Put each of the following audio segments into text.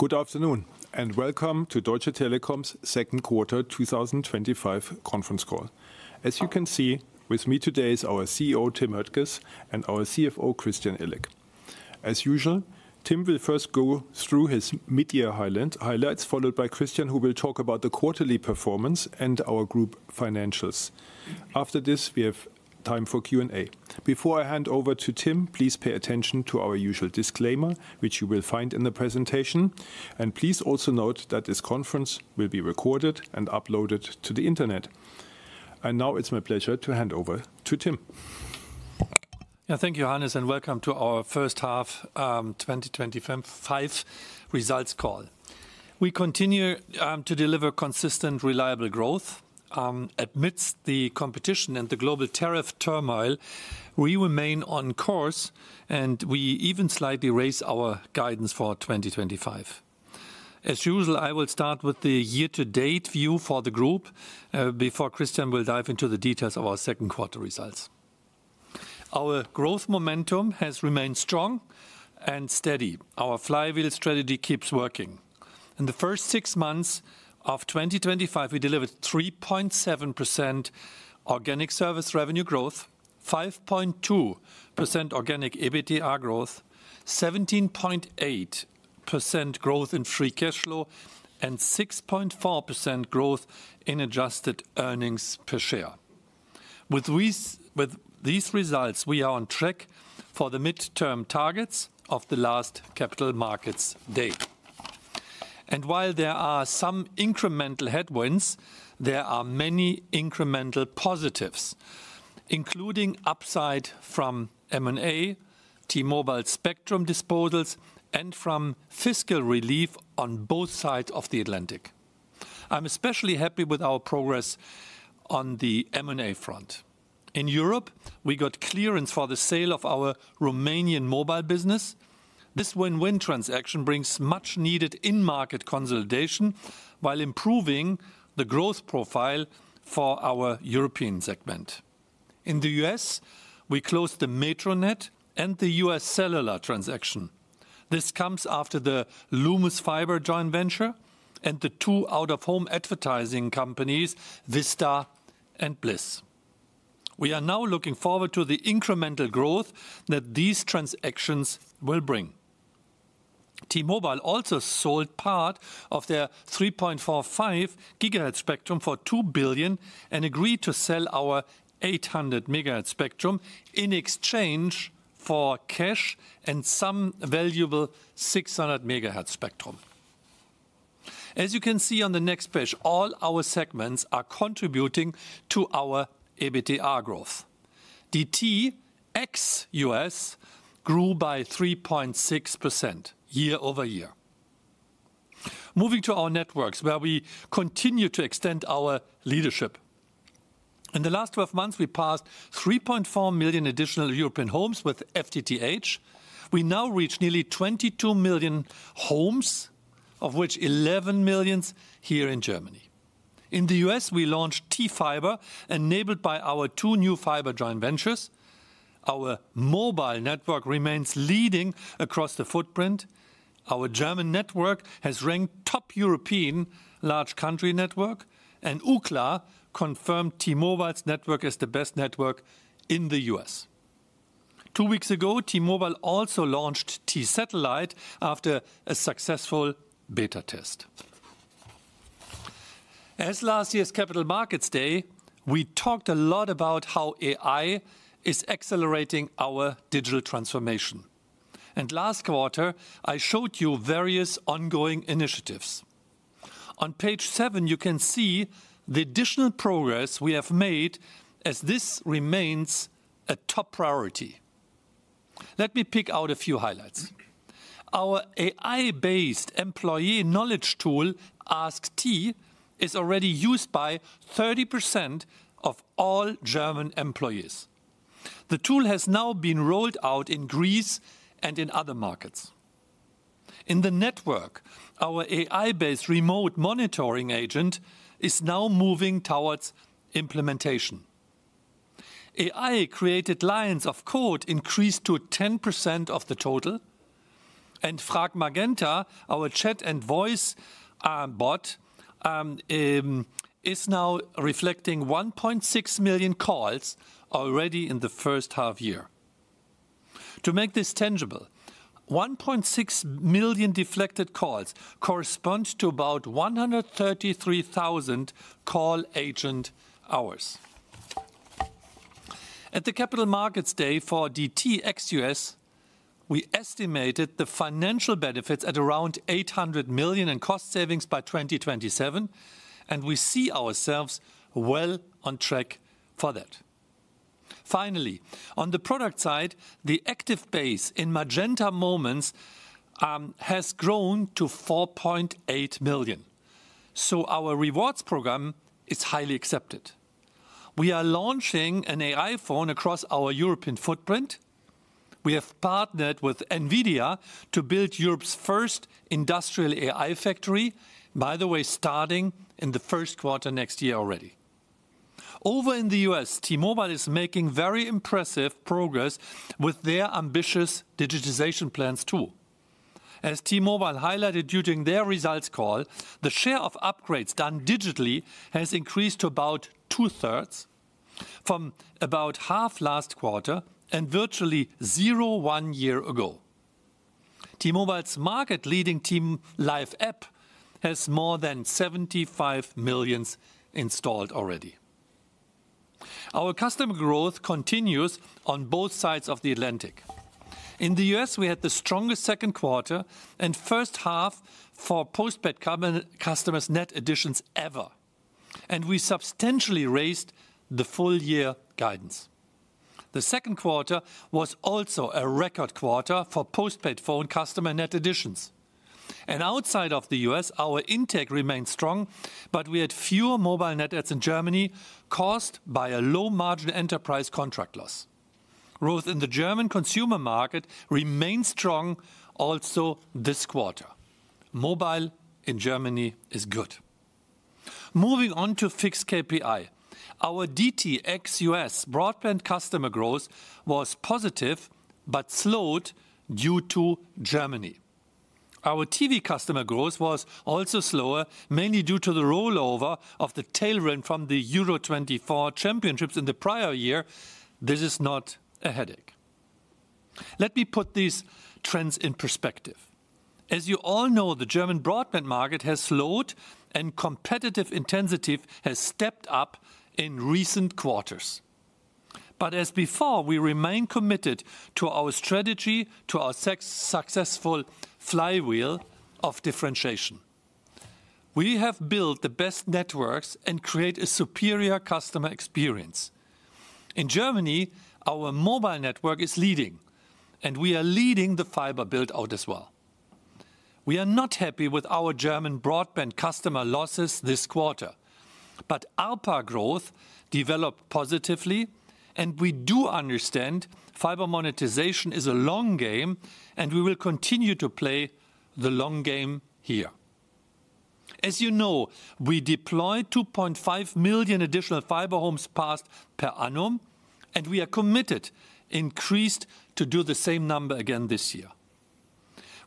Good afternoon and welcome to Deutsche Telekom's second quarter 2025 conference call. As you can see, with me today is our CEO, Tim Höttges, and our CFO, Christian Illek. As usual, Tim will first go through his mid-year highlights, followed by Christian, who will talk about the quarterly performance and our group financials. After this, we have time for Q&A. Before I hand over to Tim, please pay attention to our usual disclaimer, which you will find in the presentation. Please also note that this conference will be recorded and uploaded to the internet. Now it's my pleasure to hand over to Tim. Yeah, thank you, Hannes, and welcome to our first half 2025 results call. We continue to deliver consistent, reliable growth. Amidst the competition and the global tariff turmoil, we remain on course and we even slightly raise our guidance for 2025. As usual, I will start with the year-to-date view for the group before Christian will dive into the details of our second quarter results. Our growth momentum has remained strong and steady. Our flywheel strategy keeps working. In the first six months of 2025, we delivered 3.7% organic service revenue growth, 5.2% organic EBITDA growth, 17.8% growth in free cash flow, and 6.4% growth in adjusted earnings per share. With these results, we are on track for the mid-term targets of the last Capital Markets Day. While there are some incremental headwinds, there are many incremental positives, including upside from M&A, T-Mobile's spectrum disposals, and from fiscal relief on both sides of the Atlantic. I'm especially happy with our progress on the M&A front. In Europe, we got clearance for the sale of our Romanian mobile business. This win-win transaction brings much-needed in-market consolidation while improving the growth profile for our European segment. In the U.S., we closed the Metronet and the USCellular transaction. This comes after the Lumos Fiber joint venture and the two out-of-home advertising companies, Vista and Bliss. We are now looking forward to the incremental growth that these transactions will bring. T-Mobile also sold part of their 3.45 GHz spectrum for $2 billion and agreed to sell our 800 MHz spectrum in exchange for cash and some valuable 600 MHz spectrum. As you can see on the next page, all our segments are contributing to our EBITDA growth. DT ex-U.S. grew by 3.6% year over year. Moving to our networks, where we continue to extend our leadership. In the last 12 months, we passed 3.4 million additional European homes with FTTH. We now reach nearly 22 million homes, of which 11 million here in Germany. In the U.S., we launched T-Fiber, enabled by our two new fiber joint ventures. Our mobile network remains leading across the footprint. Our German network has ranked top European large country network, and UCLA confirmed T-Mobile's network as the best network in the U.S. Two weeks ago, T-Mobile also launched T-Satellite after a successful beta test. At last year's Capital Markets Day, we talked a lot about how AI is accelerating our digital transformation. Last quarter, I showed you various ongoing initiatives. On page seven, you can see the additional progress we have made as this remains a top priority. Let me pick out a few highlights. Our AI-based employee knowledge tool, AskT, is already used by 30% of all German employees. The tool has now been rolled out in Greece and in other markets. In the network, our AI-based remote monitoring agent is now moving towards implementation. AI-created lines of code increased to 10% of the total, and Fragmagenta, our chat and voice bot, is now reflecting 1.6 million calls already in the first half year. To make this tangible, 1.6 million deflected calls correspond to about 133,000 call agent hours. At the Capital Markets Day for DT ex-U.S., we estimated the financial benefits at around 800 million in cost savings by 2027, and we see ourselves well on track for that. Finally, on the product side, the active base in Magenta Moments program has grown to 4.8 million. Our rewards program is highly accepted. We are launching an AI phone across our European footprint. We have partnered with NVIDIA to build Europe's first industrial AI factory, by the way, starting in the first quarter next year already. Over in the U.S., T-Mobile U.S. is making very impressive progress with their ambitious digitization plans too. As T-Mobile U.S. highlighted during their results call, the share of upgrades done digitally has increased to about two-thirds from about half last quarter and virtually zero one year ago. T-Mobile U.S.'s market-leading team life app has more than 75 million installed already. Our customer growth continues on both sides of the Atlantic. In the U.S., we had the strongest second quarter and first half for postpaid net additions ever. We substantially raised the full-year guidance. The second quarter was also a record quarter for postpaid phone customer net additions. Outside of the U.S., our intake remained strong, but we had fewer mobile net adds in Germany caused by a low margin enterprise contract loss. Growth in the German consumer market remains strong also this quarter. Mobile in Germany is good. Moving on to fixed KPI, our Deutsche Telekom ex-U.S. broadband customer growth was positive but slowed due to Germany. Our TV customer growth was also slower, mainly due to the rollover of the tailwind from the Euro 2024 championships in the prior year. This is not a headache. Let me put these trends in perspective. As you all know, the German broadband market has slowed and competitive intensity has stepped up in recent quarters. As before, we remain committed to our strategy, to our successful flywheel of differentiation. We have built the best networks and create a superior customer experience. In Germany, our mobile network is leading, and we are leading the fiber build-out as well. We are not happy with our German broadband customer losses this quarter, but our growth developed positively, and we do understand fiber monetization is a long game, and we will continue to play the long game here. As you know, we deploy 2.5 million additional fiber homes passed per annum, and we are committed to do the same number again this year.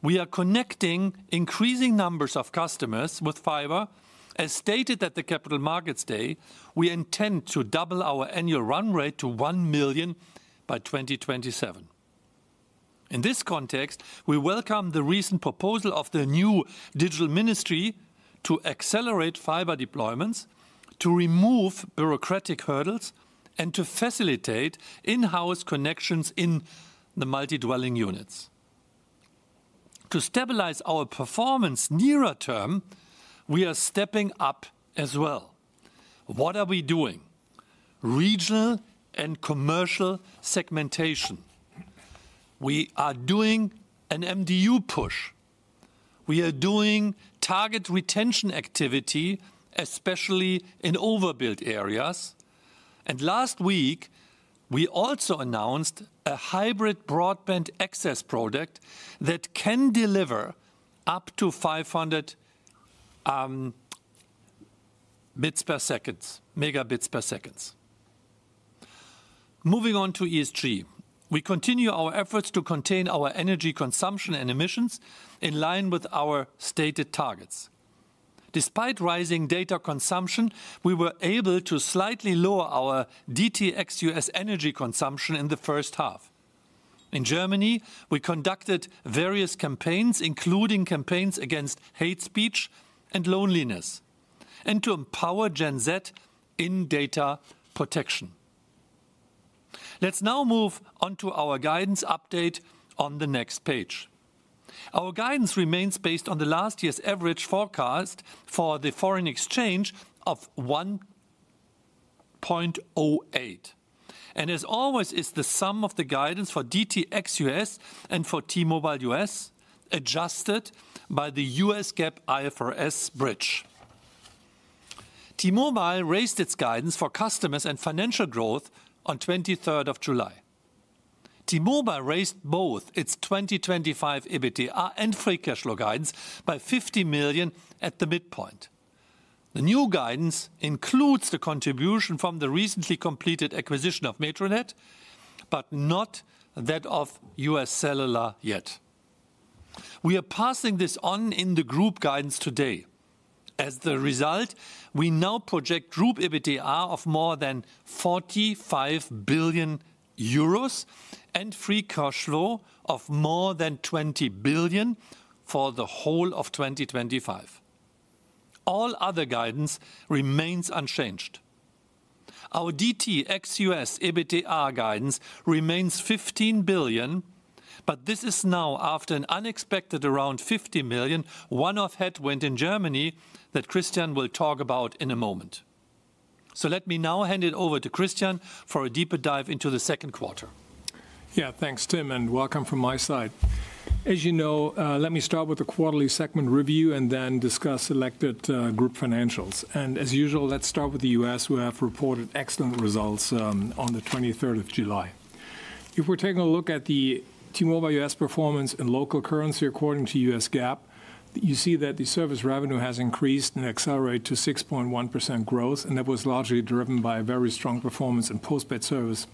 We are connecting increasing numbers of customers with fiber. As stated at the Capital Markets Day, we intend to double our annual run rate to 1 million by 2027. In this context, we welcome the recent proposal of the new Digital Ministry to accelerate fiber deployments, to remove bureaucratic hurdles, and to facilitate in-house connections in the multi-dwelling units. To stabilize our performance nearer term, we are stepping up as well. What are we doing? Regional and commercial segmentation. We are doing an MDU push. We are doing target retention activity, especially in overbuilt areas. Last week, we also announced a hybrid broadband access product that can deliver up to 500 Mbps. Moving on to ESG, we continue our efforts to contain our energy consumption and emissions in line with our stated targets. Despite rising data consumption, we were able to slightly lower our DT ex-U.S. energy consumption in the first half. In Germany, we conducted various campaigns, including campaigns against hate speech and loneliness, and to empower Gen Z in data protection. Let's now move on to our guidance update on the next page. Our guidance remains based on last year's average forecast for the foreign exchange of 1.08. As always, the sum of the guidance for DT ex-U.S. and for T-Mobile U.S. adjusted by the U.S. GAAP IFRS bridge. T-Mobile U.S. raised its guidance for customers and financial growth on the 23rd of July. T-Mobile U.S. raised both its 2025 EBITDA and free cash flow guidance by $50 million at the midpoint. The new guidance includes the contribution from the recently completed acquisition of Metronet, but not that of USCellular yet. We are passing this on in the group guidance today. As a result, we now project group EBITDA of more than 45 billion euros and free cash flow of more than 20 billion for the whole of 2025. All other guidance remains unchanged. Our Deutsche Telekom ex-U.S. EBITDA guidance remains 15 billion, but this is now after an unexpected around 50 million one-off headwind in Germany that Christian will talk about in a moment. Let me now hand it over to Christian for a deeper dive into the second quarter. Yeah, thanks, Tim, and welcome from my side. As you know, let me start with a quarterly segment review and then discuss selected group financials. As usual, let's start with the U.S., who have reported excellent results on 23rd of July. If we're taking a look at the T-Mobile U.S. performance in local currency according to U.S. GAAP, you see that the service revenue has increased and accelerated to 6.1% growth, and that was largely driven by a very strong performance in postpaid service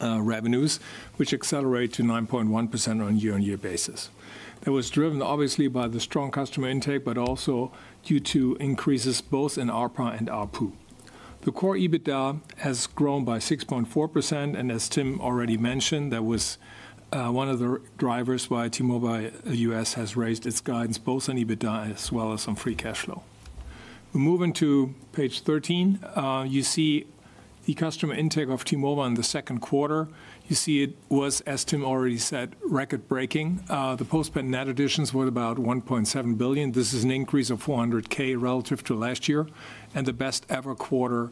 revenues, which accelerated to 9.1% on a year-on-year basis. That was driven obviously by the strong customer intake, but also due to increases both in ARPA and ARPU. The core EBITDA has grown by 6.4%, and as Tim already mentioned, that was one of the drivers why T-Mobile U.S. has raised its guidance both on EBITDA as well as on free cash flow. We move into page 13. You see the customer intake of T-Mobile in the second quarter. You see it was, as Tim already said, record-breaking. The postpaid net additions were about 1.7 million. This is an increase of 400,000 relative to last year, and the best ever quarter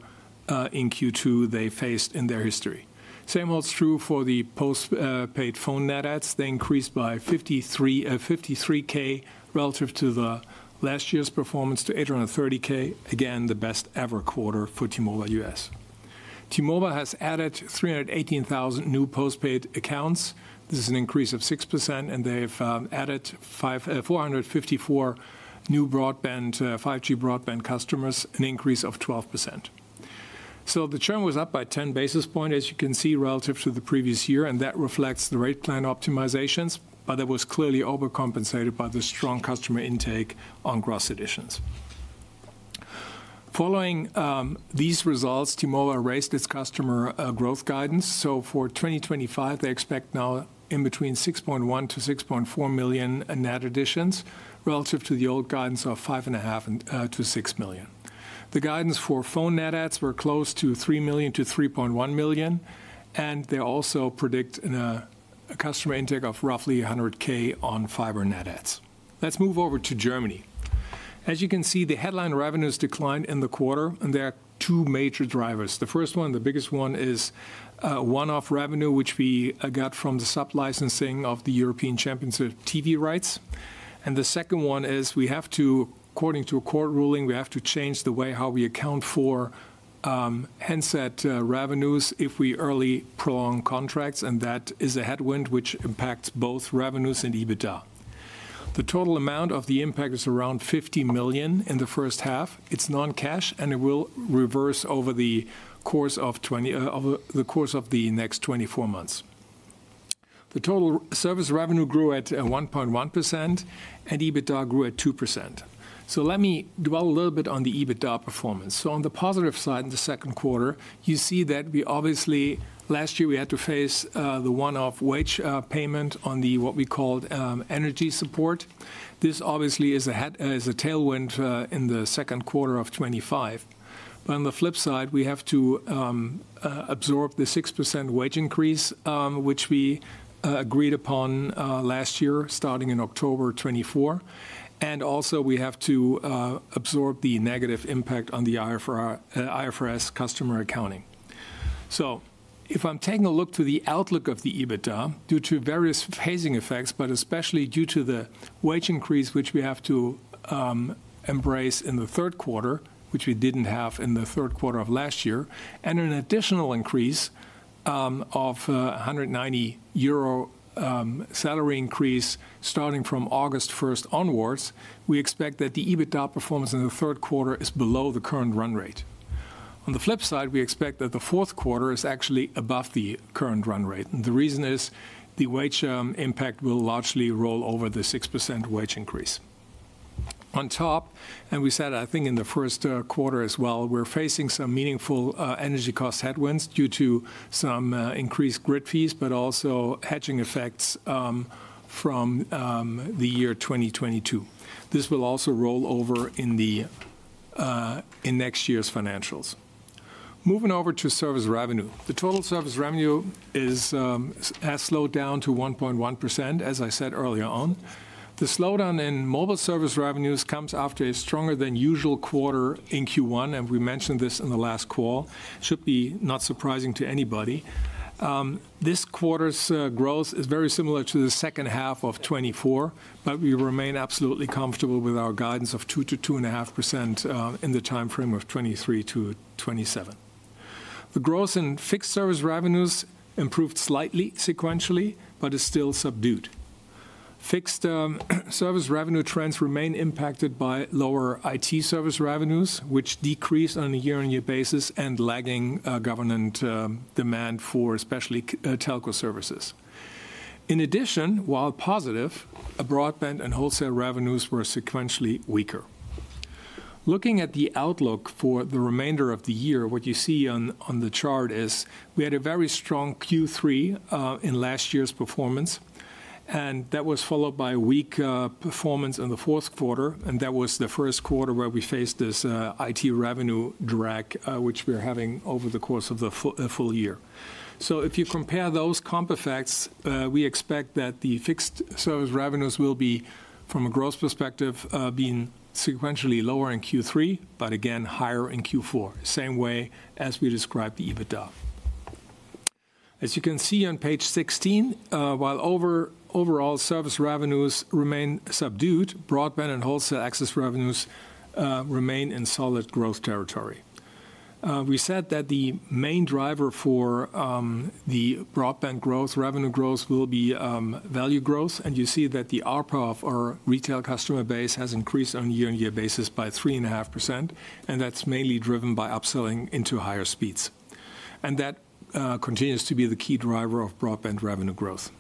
in Q2 they faced in their history. The same holds true for the postpaid phone net adds. They increased by 53,000 relative to last year's performance to 830,000. Again, the best ever quarter for T-Mobile U.S.. T-Mobile has added 318,000 new postpaid accounts. This is an increase of 6%, and they've added 454,000 new broadband, 5G broadband customers, an increase of 12%. The churn was up by 10 basis points, as you can see, relative to the previous year, and that reflects the rate plan optimizations, but that was clearly overcompensated by the strong customer intake on gross additions. Following these results, T-Mobile raised its customer growth guidance. For 2025, they expect now in between 6.1 million-6.4 million net additions relative to the old guidance of 5.5 million-6 million. The guidance for phone net adds were close to 3 million-3.1 million, and they also predict a customer intake of roughly 100,000 on fiber net adds. Let's move over to Germany. As you can see, the headline revenues declined in the quarter, and there are two major drivers. The first one, the biggest one, is one-off revenue, which we got from the sub-licensing of the European Championship TV rights. The second one is we have to, according to a court ruling, change the way how we account for handset revenues if we early prolong contracts, and that is a headwind which impacts both revenues and EBITDA. The total amount of the impact is around 50 million in the first half. It's non-cash, and it will reverse over the course of the next 24 months. The total service revenue grew at 1.1%, and EBITDA grew at 2%. Let me dwell a little bit on the EBITDA performance. On the positive side in the second quarter, you see that last year we had to face the one-off wage payment on what we called energy support. This obviously is a headwind in the second quarter of 2025. On the flip side, we have to absorb the 6% wage increase, which we agreed upon last year, starting in October 2024. Also, we have to absorb the negative impact on the IFRS customer accounting. If I'm taking a look to the outlook of the EBITDA, due to various phasing effects, but especially due to the wage increase, which we have to embrace in the third quarter, which we didn't have in the third quarter of last year, and an additional increase of a 190 euro salary increase starting from August 1st onwards, we expect that the EBITDA performance in the third quarter is below the current run rate. On the flip side, we expect that the fourth quarter is actually above the current run rate. The reason is the wage impact will largely roll over the 6% wage increase. On top, and we said, I think in the first quarter as well, we're facing some meaningful energy cost headwinds due to some increased grid fees, but also hedging effects from the year 2022. This will also roll over in next year's financials. Moving over to service revenue, the total service revenue has slowed down to 1.1%, as I said earlier on. The slowdown in mobile service revenues comes after a stronger than usual quarter in Q1, and we mentioned this in the last call. It should not be surprising to anybody. This quarter's growth is very similar to the second half of 2024, but we remain absolutely comfortable with our guidance of 2%-2.5% in the timeframe of 2023 to 2027. The growth in fixed service revenues improved slightly sequentially, but is still subdued. Fixed service revenue trends remain impacted by lower IT service revenues, which decrease on a year-on-year basis and lagging government demand for especially telco services. In addition, while positive, broadband and wholesale revenues were sequentially weaker. Looking at the outlook for the remainder of the year, what you see on the chart is we had a very strong Q3 in last year's performance, and that was followed by a weak performance in the fourth quarter, and that was the first quarter where we faced this IT revenue drag, which we're having over the course of the full year. If you compare those comp effects, we expect that the fixed service revenues will be, from a growth perspective, being sequentially lower in Q3, but again higher in Q4. Same way as we described the EBITDA. As you can see on page 16, while overall service revenues remain subdued, broadband and wholesale access revenues remain in solid growth territory. We said that the main driver for the broadband growth, revenue growth will be value growth, and you see that the ARPA of our retail customer base has increased on a year-on-year basis by 3.5%, and that's mainly driven by upselling into higher speeds. That continues to be the key driver of broadband revenue growth.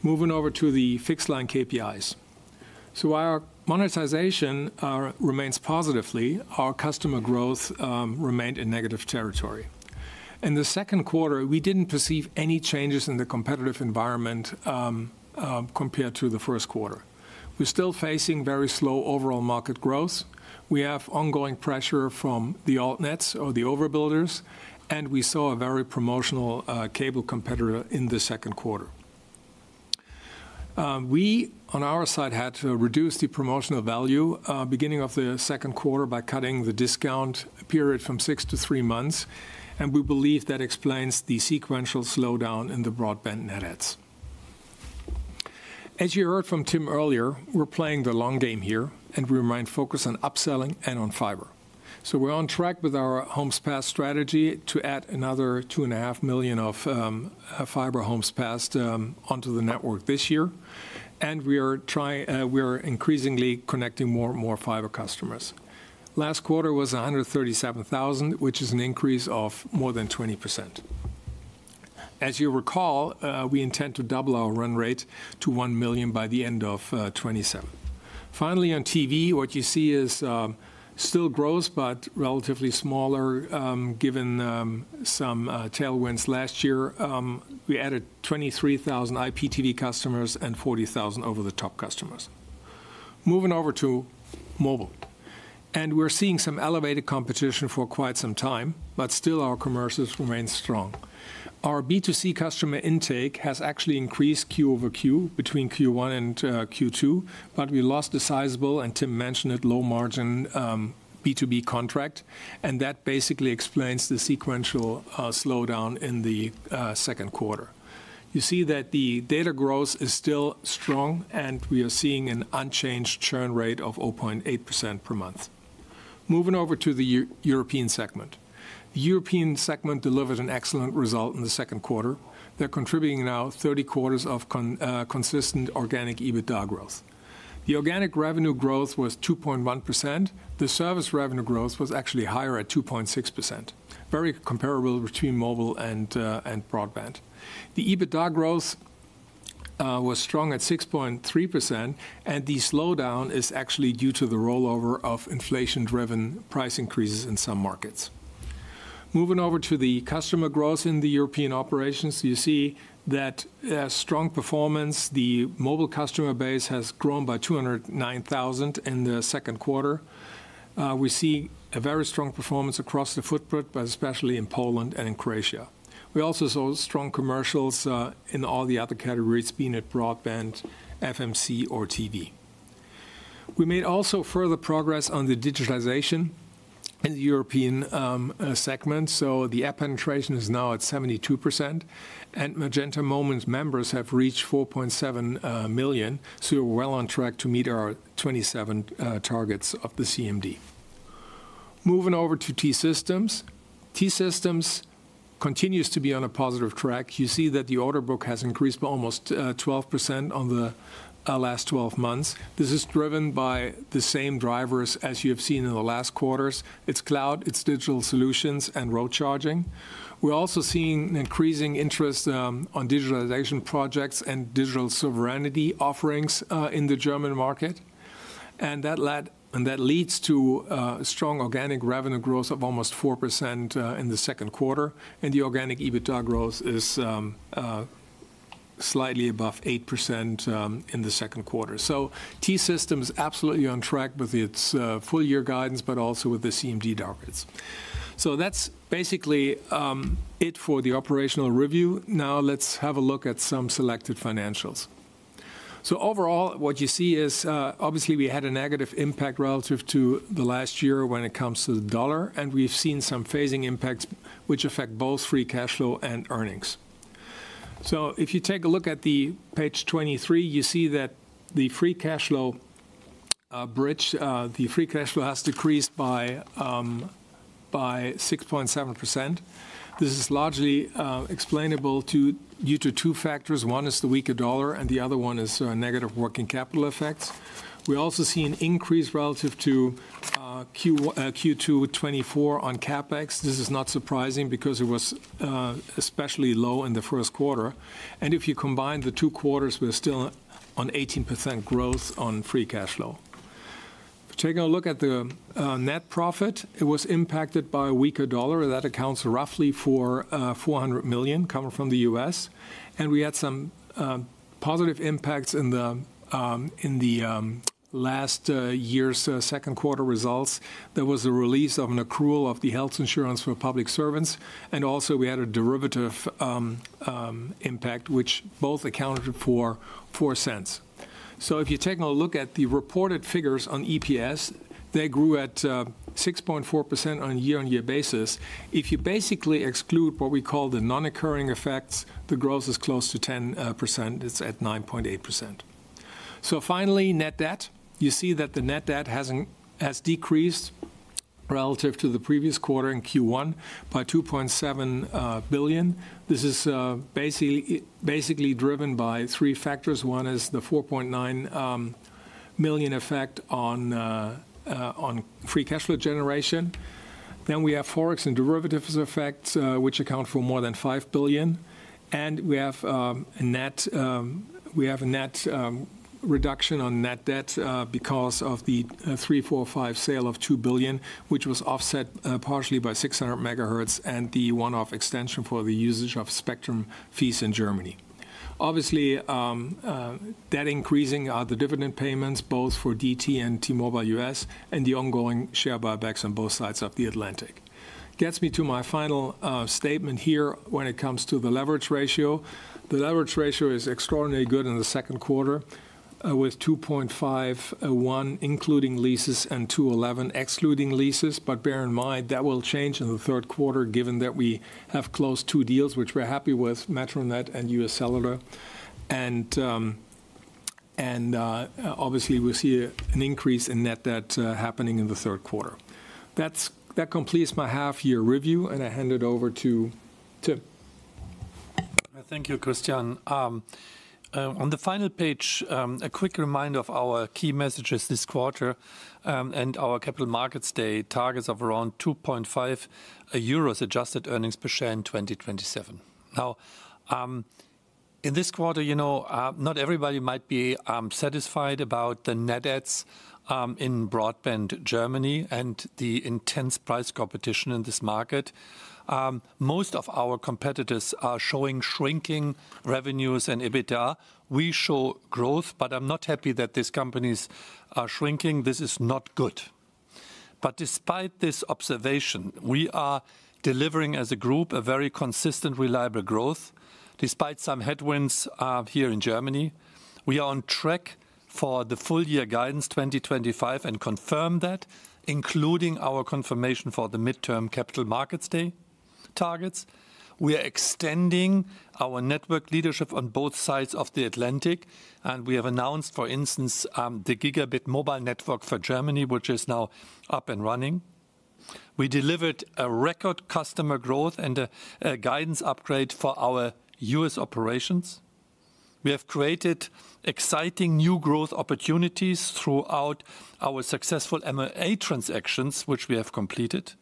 Moving over to the fixed line KPIs. While our monetization remains positively, our customer growth remained in negative territory. In the second quarter, we didn't perceive any changes in the competitive environment compared to the first quarter. We're still facing very slow overall market growth. We have ongoing pressure from the altnets or the overbuilders, and we saw a very promotional cable competitor in the second quarter. We, on our side, had to reduce the promotional value beginning of the second quarter by cutting the discount period from six to three months, and we believe that explains the sequential slowdown in the broadband net adds. As you heard from Tim earlier, we're playing the long game here, and we remain focused on upselling and on fiber. We're on track with our homes pass strategy to add another 2.5 million of Fiber homes pass onto the network this year, and we are increasingly connecting more and more fiber customers. Last quarter was 137,000, which is an increase of more than 20%. As you recall, we intend to double our run rate to 1 million by the end of 2027. Finally, on TV, what you see is still growth, but relatively smaller given some tailwinds last year. We added 23,000 IPTV customers and 40,000 over-the-top customers. Moving over to mobile. We're seeing some elevated competition for quite some time, but still our commercials remain strong. Our B2C customer intake has actually increased Q over Q between Q1 and Q2, but we lost a sizable, and Tim mentioned it, low margin B2B contract, and that basically explains the sequential slowdown in the second quarter. You see that the data growth is still strong, and we are seeing an unchanged churn rate of 0.8% per month. Moving over to the European segment, the European segment delivered an excellent result in the second quarter. They're contributing now 30 quarters of consistent organic EBITDA growth. The organic revenue growth was 2.1%. The service revenue growth was actually higher at 2.6%, very comparable between mobile and broadband. The EBITDA growth was strong at 6.3%, and the slowdown is actually due to the rollover of inflation-driven price increases in some markets. Moving over to the customer growth in the European operations, you see that strong performance. The mobile customer base has grown by 209,000 in the second quarter. We see a very strong performance across the footprint, but especially in Poland and in Croatia. We also saw strong commercials in all the other categories, be it broadband, FMC, or TV. We made also further progress on the digitization in the European segment. The app penetration is now at 72%, and Magenta Moments members have reached 4.7 million. We're well on track to meet our 2027 targets of the CMD. Moving over to T-Systems, T-Systems continues to be on a positive track. You see that the order book has increased by almost 12% on the last 12 months. This is driven by the same drivers as you have seen in the last quarters. It's cloud, it's digital solutions, and road charging. We're also seeing increasing interest on digitization projects and digital sovereignty offerings in the German market. That leads to strong organic revenue growth of almost 4% in the second quarter, and the organic EBITDA growth is slightly above 8% in the second quarter. T-Systems is absolutely on track with its full-year guidance, but also with the CMD targets. That's basically it for the operational review. Now, let's have a look at some selected financials. Overall, what you see is obviously we had a negative impact relative to the last year when it comes to the dollar, and we've seen some phasing impacts which affect both free cash flow and earnings. If you take a look at page 23, you see that the free cash flow bridge, the free cash flow has decreased by 6.7%. This is largely explainable due to two factors. One is the weaker dollar, and the other one is negative working capital effects. We're also seeing an increase relative to Q2 2024 on CapEx. This is not surprising because it was especially low in the first quarter. If you combine the two quarters, we're still on 18% growth on free cash flow. Taking a look at the net profit, it was impacted by a weaker dollar, and that accounts roughly for $400 million coming from the U.S. We had some positive impacts in last year's second quarter results. There was a release of an accrual of the health insurance for public servants, and also we had a derivative impact, which both accounted for $0.04. If you're taking a look at the reported figures on EPS, they grew at 6.4% on a year-on-year basis. If you basically exclude what we call the non-occurring effects, the growth is close to 10%. It's at 9.8%. Finally, net debt. You see that the net debt has decreased relative to the previous quarter in Q1 by $2.7 billion. This is basically driven by three factors. One is the $4.9 billion effect on free cash flow generation. Then we have forex and derivatives effects, which account for more than $5 billion. We have a net reduction on net debt because of the 345 sale of $2 billion, which was offset partially by 600 MHz and the one-off extension for the usage of spectrum fees in Germany. Obviously, that includes the increasing dividend payments both for Deutsche Telekom and T-Mobile U.S. and the ongoing share buybacks on both sides of the Atlantic. That gets me to my final statement here when it comes to the leverage ratio. The leverage ratio is extraordinarily good in the second quarter with 2.51x, including leases, and 2.11x, excluding leases. Bear in mind, that will change in the third quarter given that we have closed two deals, which we're happy with: Metronet and USCellular. Obviously, we see an increase in net debt happening in the third quarter. That completes my half-year review, and I hand it over to Tim. Thank you, Christian. On the final page, a quick reminder of our key messages this quarter and our Capital Markets Day targets of around 2.5 euros adjusted earnings per share in 2027. Now, in this quarter, you know, not everybody might be satisfied about the net adds in broadband Germany and the intense price competition in this market. Most of our competitors are showing shrinking revenues and EBITDA. We show growth, but I'm not happy that these companies are shrinking. This is not good. Despite this observation, we are delivering as a group a very consistent, reliable growth. Despite some headwinds here in Germany, we are on track for the full-year guidance 2025 and confirm that, including our confirmation for the midterm Capital Markets Day targets. We are extending our network leadership on both sides of the Atlantic, and we have announced, for instance, the Gigabit mobile network for Germany, which is now up and running. We delivered record customer growth and a guidance upgrade for our U.S. operations. We have created exciting new growth opportunities throughout our successful M&A transactions, which we have completed.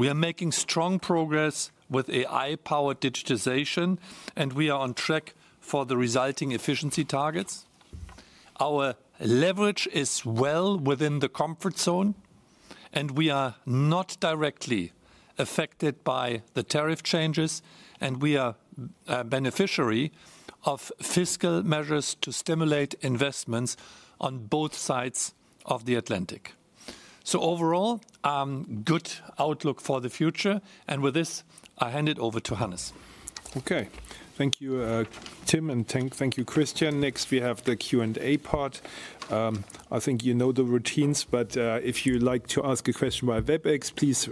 We are making strong progress with AI-powered digitization, and we are on track for the resulting efficiency targets. Our leverage is well within the comfort zone, and we are not directly affected by the tariff changes, and we are a beneficiary of fiscal measures to stimulate investments on both sides of the Atlantic. Overall, a good outlook for the future. With this, I hand it over to Hannes. Okay. Thank you, Tim, and thank you, Christian. Next, we have the Q&A part. I think you know the routines, but if you'd like to ask a question via Webex, please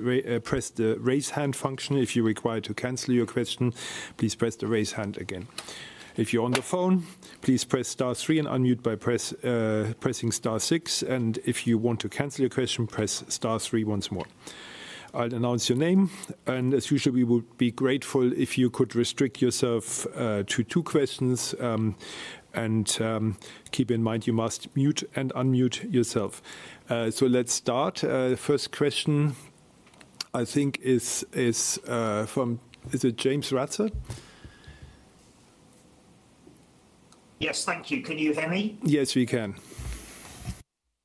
press the raise hand function. If you're required to cancel your question, please press the raise hand again. If you're on the phone, please press star three and unmute by pressing star six. If you want to cancel your question, press star three once more. I'll announce your name. As usual, we would be grateful if you could restrict yourself to two questions. Keep in mind, you must mute and unmute yourself. Let's start. First question, I think, is from, is it James Ratzer? Yes, thank you. Can you hear me? Yes, we can.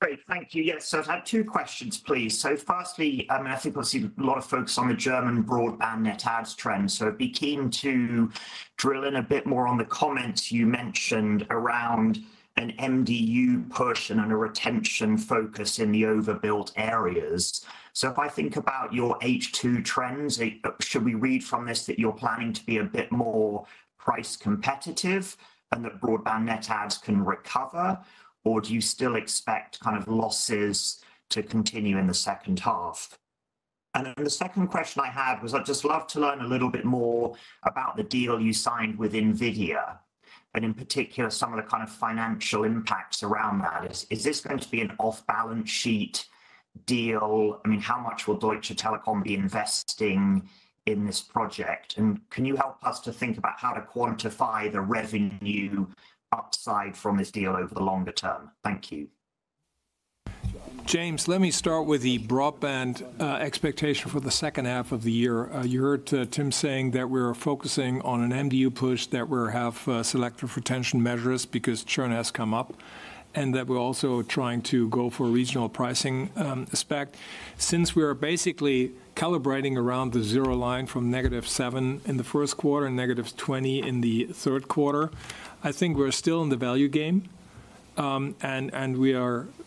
Great, thank you. Yes, I've had two questions, please. Firstly, I think we'll see a lot of focus on the German broadband net adds trend. I'd be keen to drill in a bit more on the comments you mentioned around an MDU push and a retention focus in the overbuilt areas. If I think about your H2 trends, should we read from this that you're planning to be a bit more price competitive and that broadband net adds can recover, or do you still expect kind of losses to continue in the second half? The second question I had was, I'd just love to learn a little bit more about the deal you signed with NVIDIA, and in particular, some of the kind of financial impacts around that. Is this going to be an off-balance sheet deal? How much will Deutsche Telekom be investing in this project? Can you help us to think about how to quantify the revenue upside from this deal over the longer term? Thank you. James, let me start with the broadband expectation for the second half of the year. You heard Tim saying that we're focusing on an MDU push, that we have selective retention measures because churn has come up, and that we're also trying to go for regional pricing spec. Since we are basically calibrating around the zero line from -7 in the first quarter and -20 in the third quarter, I think we're still in the value game.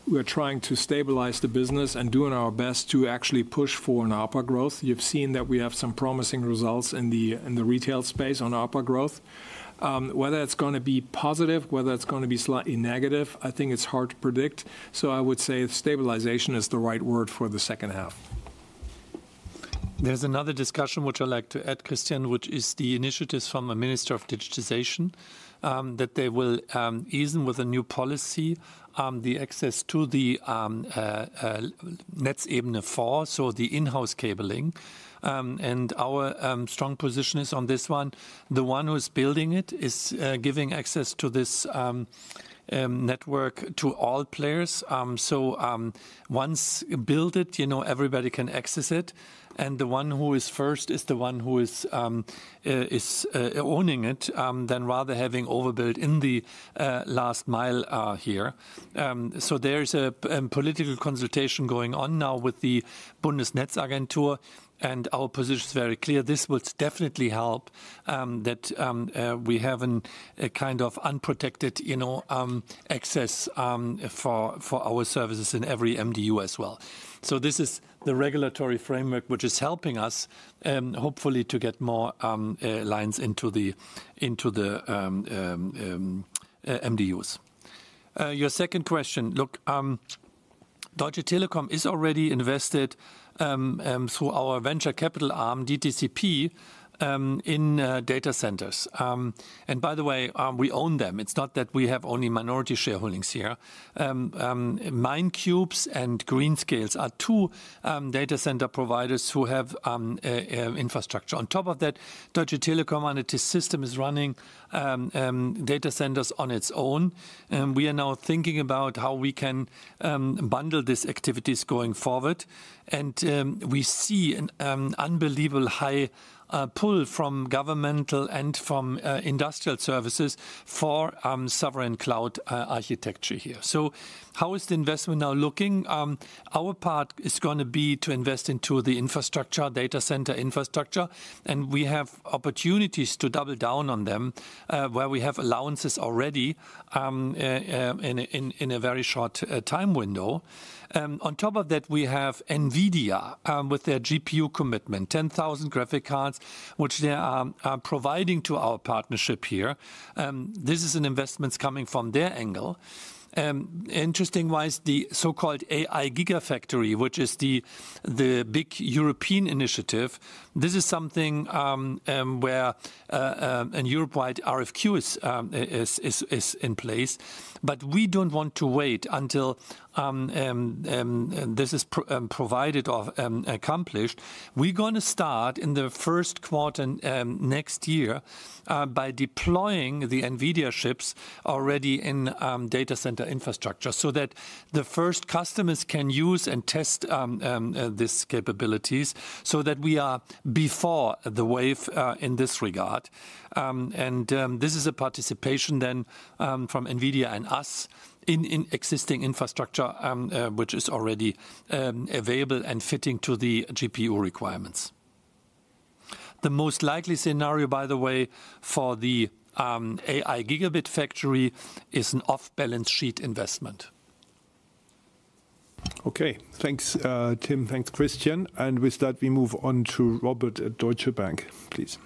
We are trying to stabilize the business and doing our best to actually push for an ARPA growth. You've seen that we have some promising results in the retail space on ARPA growth. Whether it's going to be positive, whether it's going to be slightly negative, I think it's hard to predict. I would say stabilization is the right word for the second half. There's another discussion, which I'd like to add, Christian, which is the initiatives from the Minister of Digitization, that they will ease in with a new policy, the access to the Netzebene 4, so the in-house cabling. Our strong position is on this one. The one who is building it is giving access to this network to all players. Once you build it, everybody can access it. The one who is first is the one who is owning it, rather than having overbuild in the last mile here. There's a political consultation going on now with the Bundesnetzagentur, and our position is very clear. This will definitely help that we have a kind of unprotected access for our services in every MDU as well. This is the regulatory framework which is helping us, hopefully, to get more lines into the MDUs. Your second question, look, Deutsche Telekom is already invested through our venture capital arm, DTCP, in data centers. By the way, we own them. It's not that we have only minority shareholdings here. Mine Cubes and Green Scales are two data center providers who have infrastructure. On top of that, Deutsche Telekom and its system is running data centers on its own. We are now thinking about how we can bundle these activities going forward. We see an unbelievably high pull from governmental and from industrial services for sovereign cloud architecture here. How is the investment now looking? Our part is going to be to invest into the infrastructure, data center infrastructure, and we have opportunities to double down on them where we have allowances already in a very short time window. On top of that, we have NVIDIA with their GPU commitment, 10,000 graphic cards, which they are providing to our partnership here. This is an investment coming from their angle. Interestingly, the so-called AI Gigafactory, which is the big European initiative, this is something where a Europe-wide RFQ is in place. We don't want to wait until this is provided or accomplished. We're going to start in the first quarter next year by deploying the NVIDIA chips already in data center infrastructure so that the first customers can use and test these capabilities, so that we are before the wave in this regard. This is a participation then from NVIDIA and us in existing infrastructure, which is already available and fitting to the GPU requirements. The most likely scenario, by the way, for the AI Gigabit Factory is an off-balance sheet investment. Okay, thanks, Tim. Thanks, Christian. With that, we move on to Robert at Deutsche Bank, please.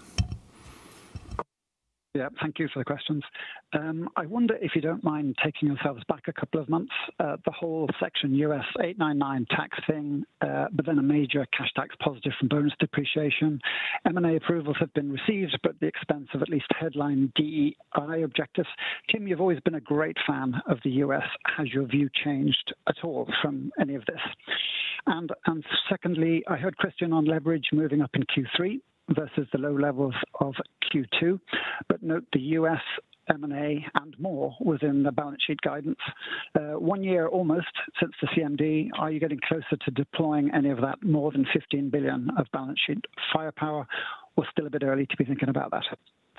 Yeah, thank you for the questions. I wonder if you don't mind taking yourselves back a couple of months. The whole section U.S. 899 taxing, but then a major cash tax positive from bonus depreciation. M&A approvals have been received, but the expense of at least headline DEI objectives. Tim, you've always been a great fan of the U.S. Has your view changed at all from any of this? Secondly, I heard Christian on leverage moving up in Q3 versus the low levels of Q2. Note the U.S. M&A and more was in the balance sheet guidance. One year almost since the CMD. Are you getting closer to deploying any of that more than $15 billion of balance sheet firepower, or still a bit early to be thinking about that?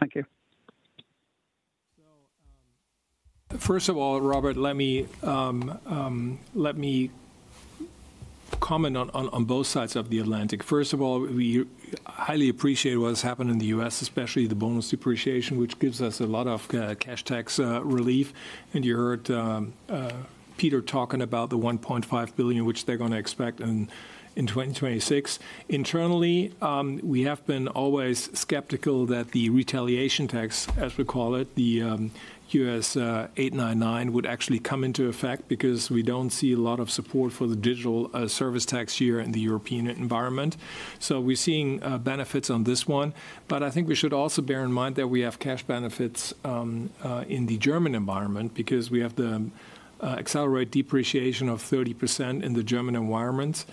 Thank you. First of all, Robert, let me comment on both sides of the Atlantic. First of all, we highly appreciate what's happened in the U.S., especially the bonus depreciation, which gives us a lot of cash tax relief. You heard Peter talking about the $1.5 billion, which they're going to expect in 2026. Internally, we have been always skeptical that the retaliation tax, as we call it, the U.S. 899, would actually come into effect because we don't see a lot of support for the digital service tax here in the European environment. We're seeing benefits on this one. I think we should also bear in mind that we have cash benefits in the German environment because we have the accelerated depreciation of 30% in the German environment.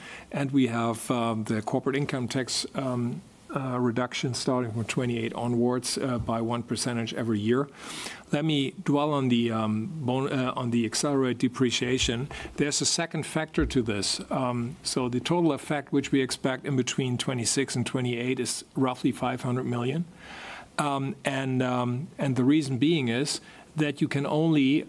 We have the corporate income tax reduction starting from 2028 onwards by 1% every year. Let me dwell on the accelerated depreciation. There's a second factor to this. The total effect, which we expect in between 2026 and 2028, is roughly $500 million. The reason being is that you can only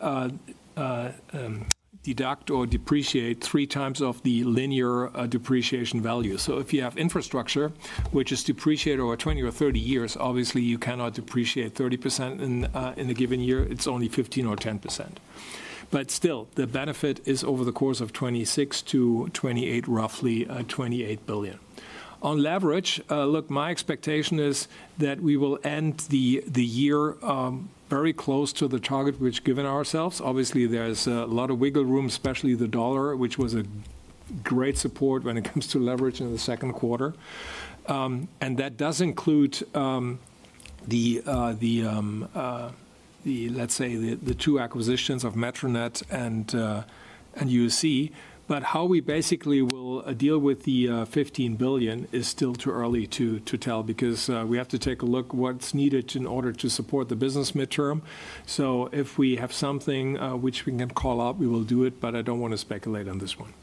deduct or depreciate three times the linear depreciation value. If you have infrastructure, which is depreciated over 20 years or 30 years, obviously you cannot depreciate 30% in a given year. It's only 15% or 10%. Still, the benefit is over the course of 2026 to 2028, roughly $2.8 billion. On leverage, my expectation is that we will end the year very close to the target we've given ourselves. Obviously, there's a lot of wiggle room, especially the dollar, which was a great support when it comes to leverage in the second quarter. That does include, let's say, the two acquisitions of Metronet and USCellular. How we basically will deal with the $15 billion is still too early to tell because we have to take a look at what's needed in order to support the business midterm. If we have something which we can call out, we will do it, but I don't want to speculate on this one.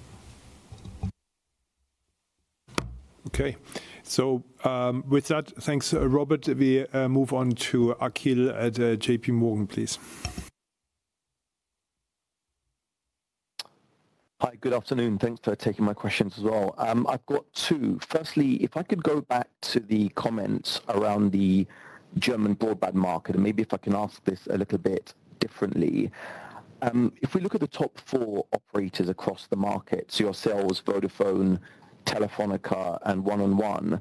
With that, thanks, Robert. We move on to Akhil at JP Morgan, please. Hi, good afternoon. Thanks for taking my questions as well. I've got two. Firstly, if I could go back to the comments around the German broadband market, and maybe if I can ask this a little bit differently. If we look at the top four operators across the market, so yourselves, Vodafone, Telefónica, and 1&1,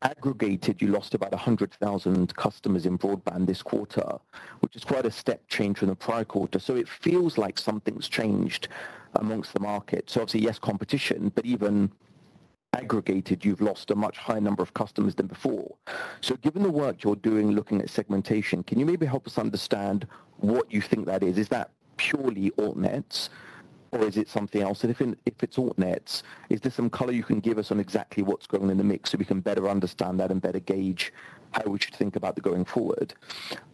aggregated, you lost about 100,000 customers in broadband this quarter, which is quite a step change from the prior quarter. It feels like something's changed amongst the market. Obviously, yes, competition, but even aggregated, you've lost a much higher number of customers than before. Given the work you're doing looking at segmentation, can you maybe help us understand what you think that is? Is that purely altnets, or is it something else? If it's altnets, is there some color you can give us on exactly what's going on in the mix so we can better understand that and better gauge how we should think about it going forward?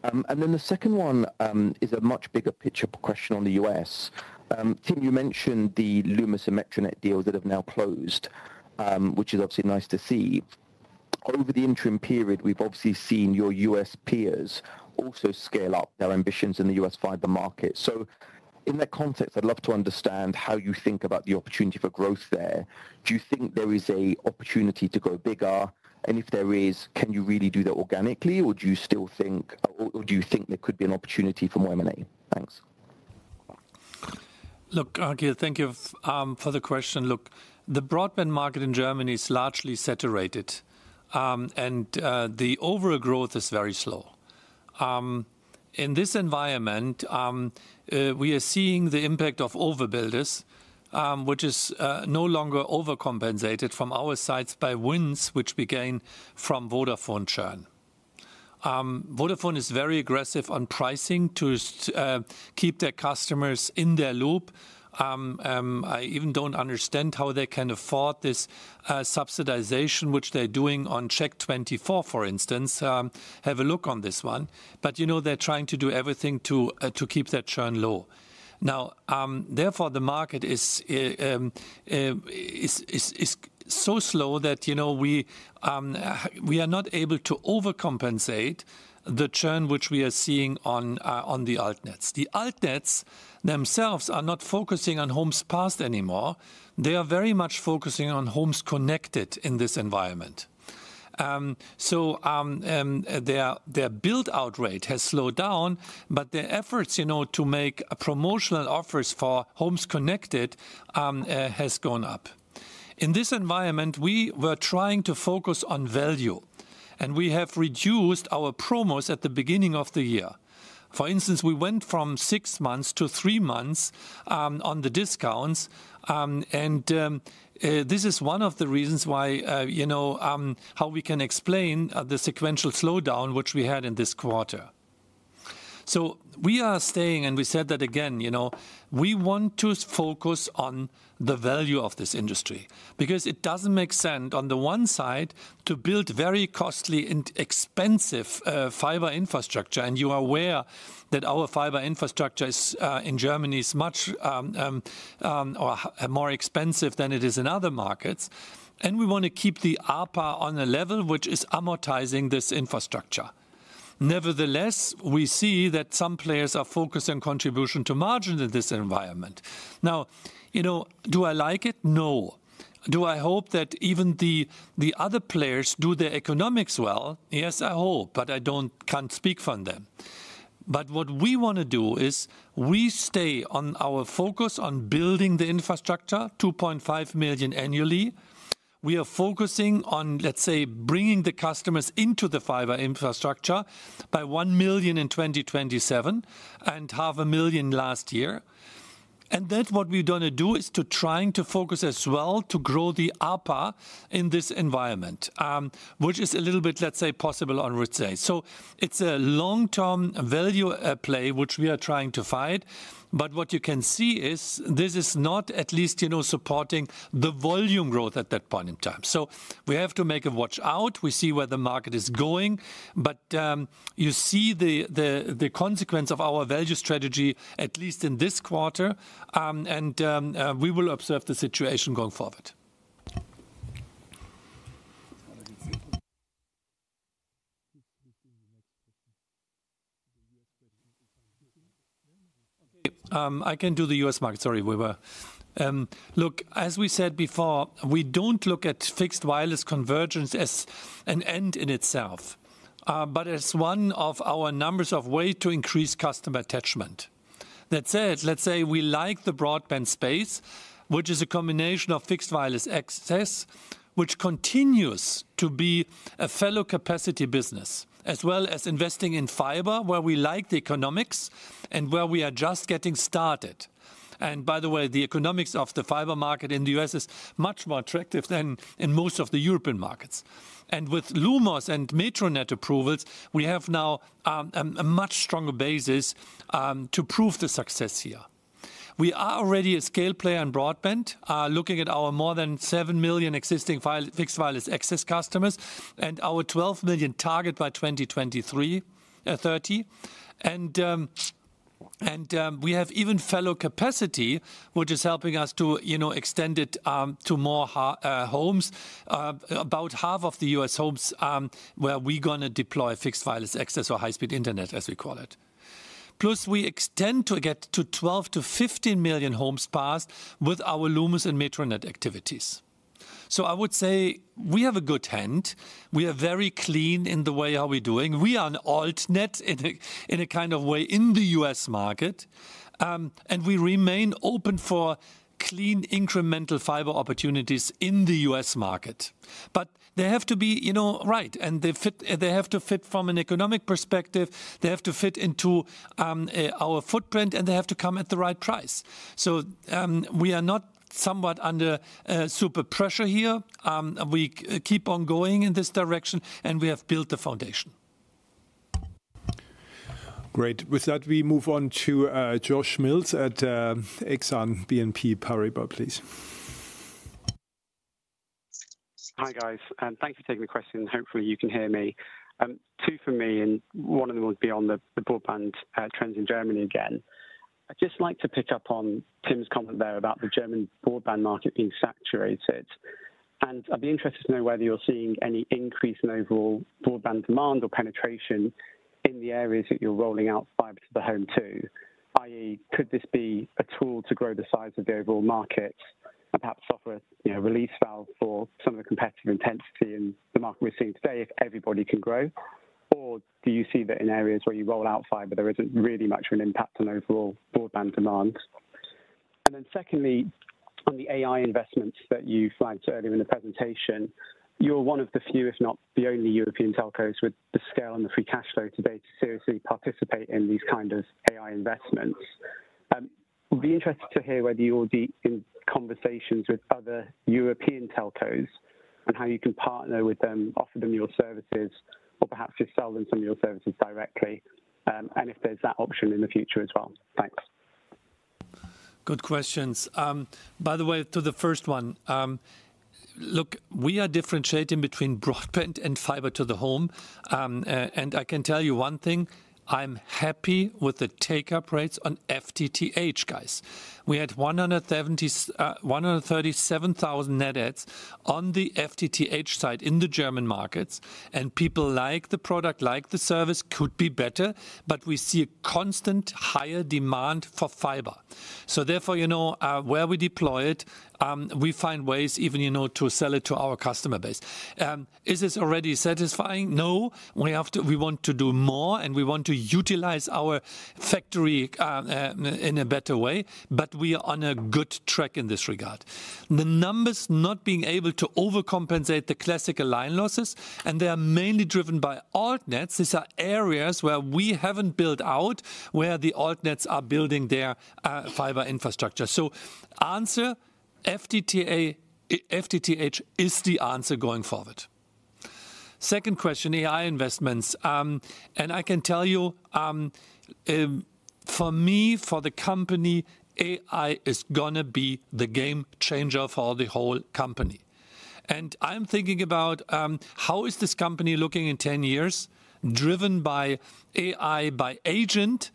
The second one is a much bigger picture question on the U.S. Tim, you mentioned the Lumos and Metronet deals that have now closed, which is obviously nice to see. Over the interim period, we've obviously seen your U.S. peers also scale up their ambitions in the U.S. fiber market. In that context, I'd love to understand how you think about the opportunity for growth there. Do you think there is an opportunity to grow bigger? If there is, can you really do that organically, or do you still think, or do you think there could be an opportunity for more M&A? Thanks. Look, Akhil, thank you for the question. Look, the broadband market in Germany is largely saturated, and the overall growth is very slow. In this environment, we are seeing the impact of overbuilders, which is no longer overcompensated from our sides by wins which we gain from Vodafone churn. Vodafone is very aggressive on pricing to keep their customers in their loop. I even don't understand how they can afford this subsidization which they're doing on CHECK24, for instance. Have a look on this one. You know, they're trying to do everything to keep that churn low. Therefore, the market is so slow that we are not able to overcompensate the churn which we are seeing on the altnets. The altnets themselves are not focusing on homes passed anymore. They are very much focusing on homes connected in this environment. Their build-out rate has slowed down, but their efforts to make promotional offers for homes connected have gone up. In this environment, we were trying to focus on value, and we have reduced our promos at the beginning of the year. For instance, we went from six months to three months on the discounts, and this is one of the reasons why, you know, how we can explain the sequential slowdown which we had in this quarter. We are staying, and we said that again, you know, we want to focus on the value of this industry because it doesn't make sense on the one side to build very costly and expensive fiber infrastructure, and you are aware that our fiber infrastructure in Germany is much more expensive than it is in other markets. We want to keep the ARPA on a level which is amortizing this infrastructure. Nevertheless, we see that some players are focused on contribution to margin in this environment. Now, you know, do I like it? No. Do I hope that even the other players do their economics well? Yes, I hope, but I don't speak for them. What we want to do is we stay on our focus on building the infrastructure, 2.5 million annually. We are focusing on, let's say, bringing the customers into the fiber infrastructure by 1 million in 2027 and half a million last year. What we're going to do is to try to focus as well to grow the ARPA in this environment, which is a little bit, let's say, possible on roads. It's a long-term value play which we are trying to fight. What you can see is this is not at least, you know, supporting the volume growth at that point in time. We have to make a watch out. We see where the market is going, but you see the consequence of our value strategy, at least in this quarter, and we will observe the situation going forward. I can do the U.S. market. As we said before, we don't look at fixed wireless convergence as an end in itself, but as one of our numbers of ways to increase customer attachment. That said, let's say we like the broadband space, which is a combination of fixed wireless access, which continues to be a fellow capacity business, as well as investing in fiber where we like the economics and where we are just getting started. By the way, the economics of the fiber market in the U.S. is much more attractive than in most of the European markets. With Lumos and Metronet approvals, we have now a much stronger basis to prove the success here. We are already a scale player in broadband, looking at our more than 7 million existing fixed wireless access customers and our 12 million target by 2030. We have even fellow capacity, which is helping us to extend it to more homes. About half of the U.S. homes where we're going to deploy fixed wireless access or high-speed internet, as we call it. Plus, we extend to get to 12 to 15 million homes passed with our Lumos and Metronet activities. I would say we have a good hand. We are very clean in the way how we're doing. We are an altnet in a kind of way in the U.S. market. We remain open for clean incremental fiber opportunities in the U.S. market. They have to be, you know, right, and they have to fit from an economic perspective. They have to fit into our footprint, and they have to come at the right price. We are not somewhat under super pressure here. We keep on going in this direction, and we have built the foundation. Great. With that, we move on to Joshua Mills at BNP Paribas, please. Hi guys, and thanks for taking the question. Hopefully, you can hear me. Two from me and one of them would be on the broadband trends in Germany again. I'd just like to pick up on Tim's comment there about the German broadband market being saturated. I'd be interested to know whether you're seeing any increase in overall broadband demand or penetration in the areas that you're rolling out fiber to the home to. I.e., could this be a tool to grow the size of the overall markets and perhaps offer a release valve for some of the competitive intensity in the market we're seeing today if everybody can grow? Do you see that in areas where you roll out fiber, there isn't really much of an impact on overall broadband demand? Secondly, on the AI investments that you flagged earlier in the presentation, you're one of the few, if not the only, European telcos with the scale and the free cash flow today to seriously participate in these kinds of AI investments. I'd be interested to hear whether you're deep in conversations with other European telcos and how you can partner with them, offer them your services, or perhaps just sell them some of your services directly. If there's that option in the future as well. Thanks. Good questions. By the way, to the first one, look, we are differentiating between broadband and fiber to the home. I can tell you one thing, I'm happy with the take-up rates on FTTH, guys. We had 137,000 net adds on the FTTH side in the German markets, and people like the product, like the service could be better, but we see a constant higher demand for fiber. Therefore, where we deploy it, we find ways even to sell it to our customer base. Is this already satisfying? No, we want to do more, and we want to utilize our factory in a better way, but we are on a good track in this regard. The numbers are not being able to overcompensate the classical line losses, and they are mainly driven by altnets. These are areas where we haven't built out, where the altnets are building their fiber infrastructure. FTTH is the answer going forward. Second question, AI investments. I can tell you, for me, for the company, AI is going to be the game changer for the whole company. I'm thinking about how is this company looking in 10 years, driven by AI, by agent,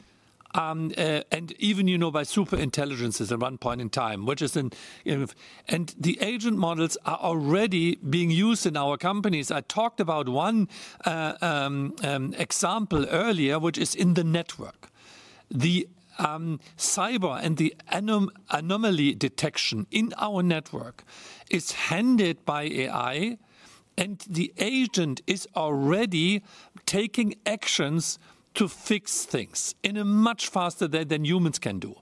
and even by superintelligences at one point in time, which is an... The agent models are already being used in our companies. I talked about one example earlier, which is in the network. The cyber and the anomaly detection in our network is handled by AI, and the agent is already taking actions to fix things in a much faster way than humans can do.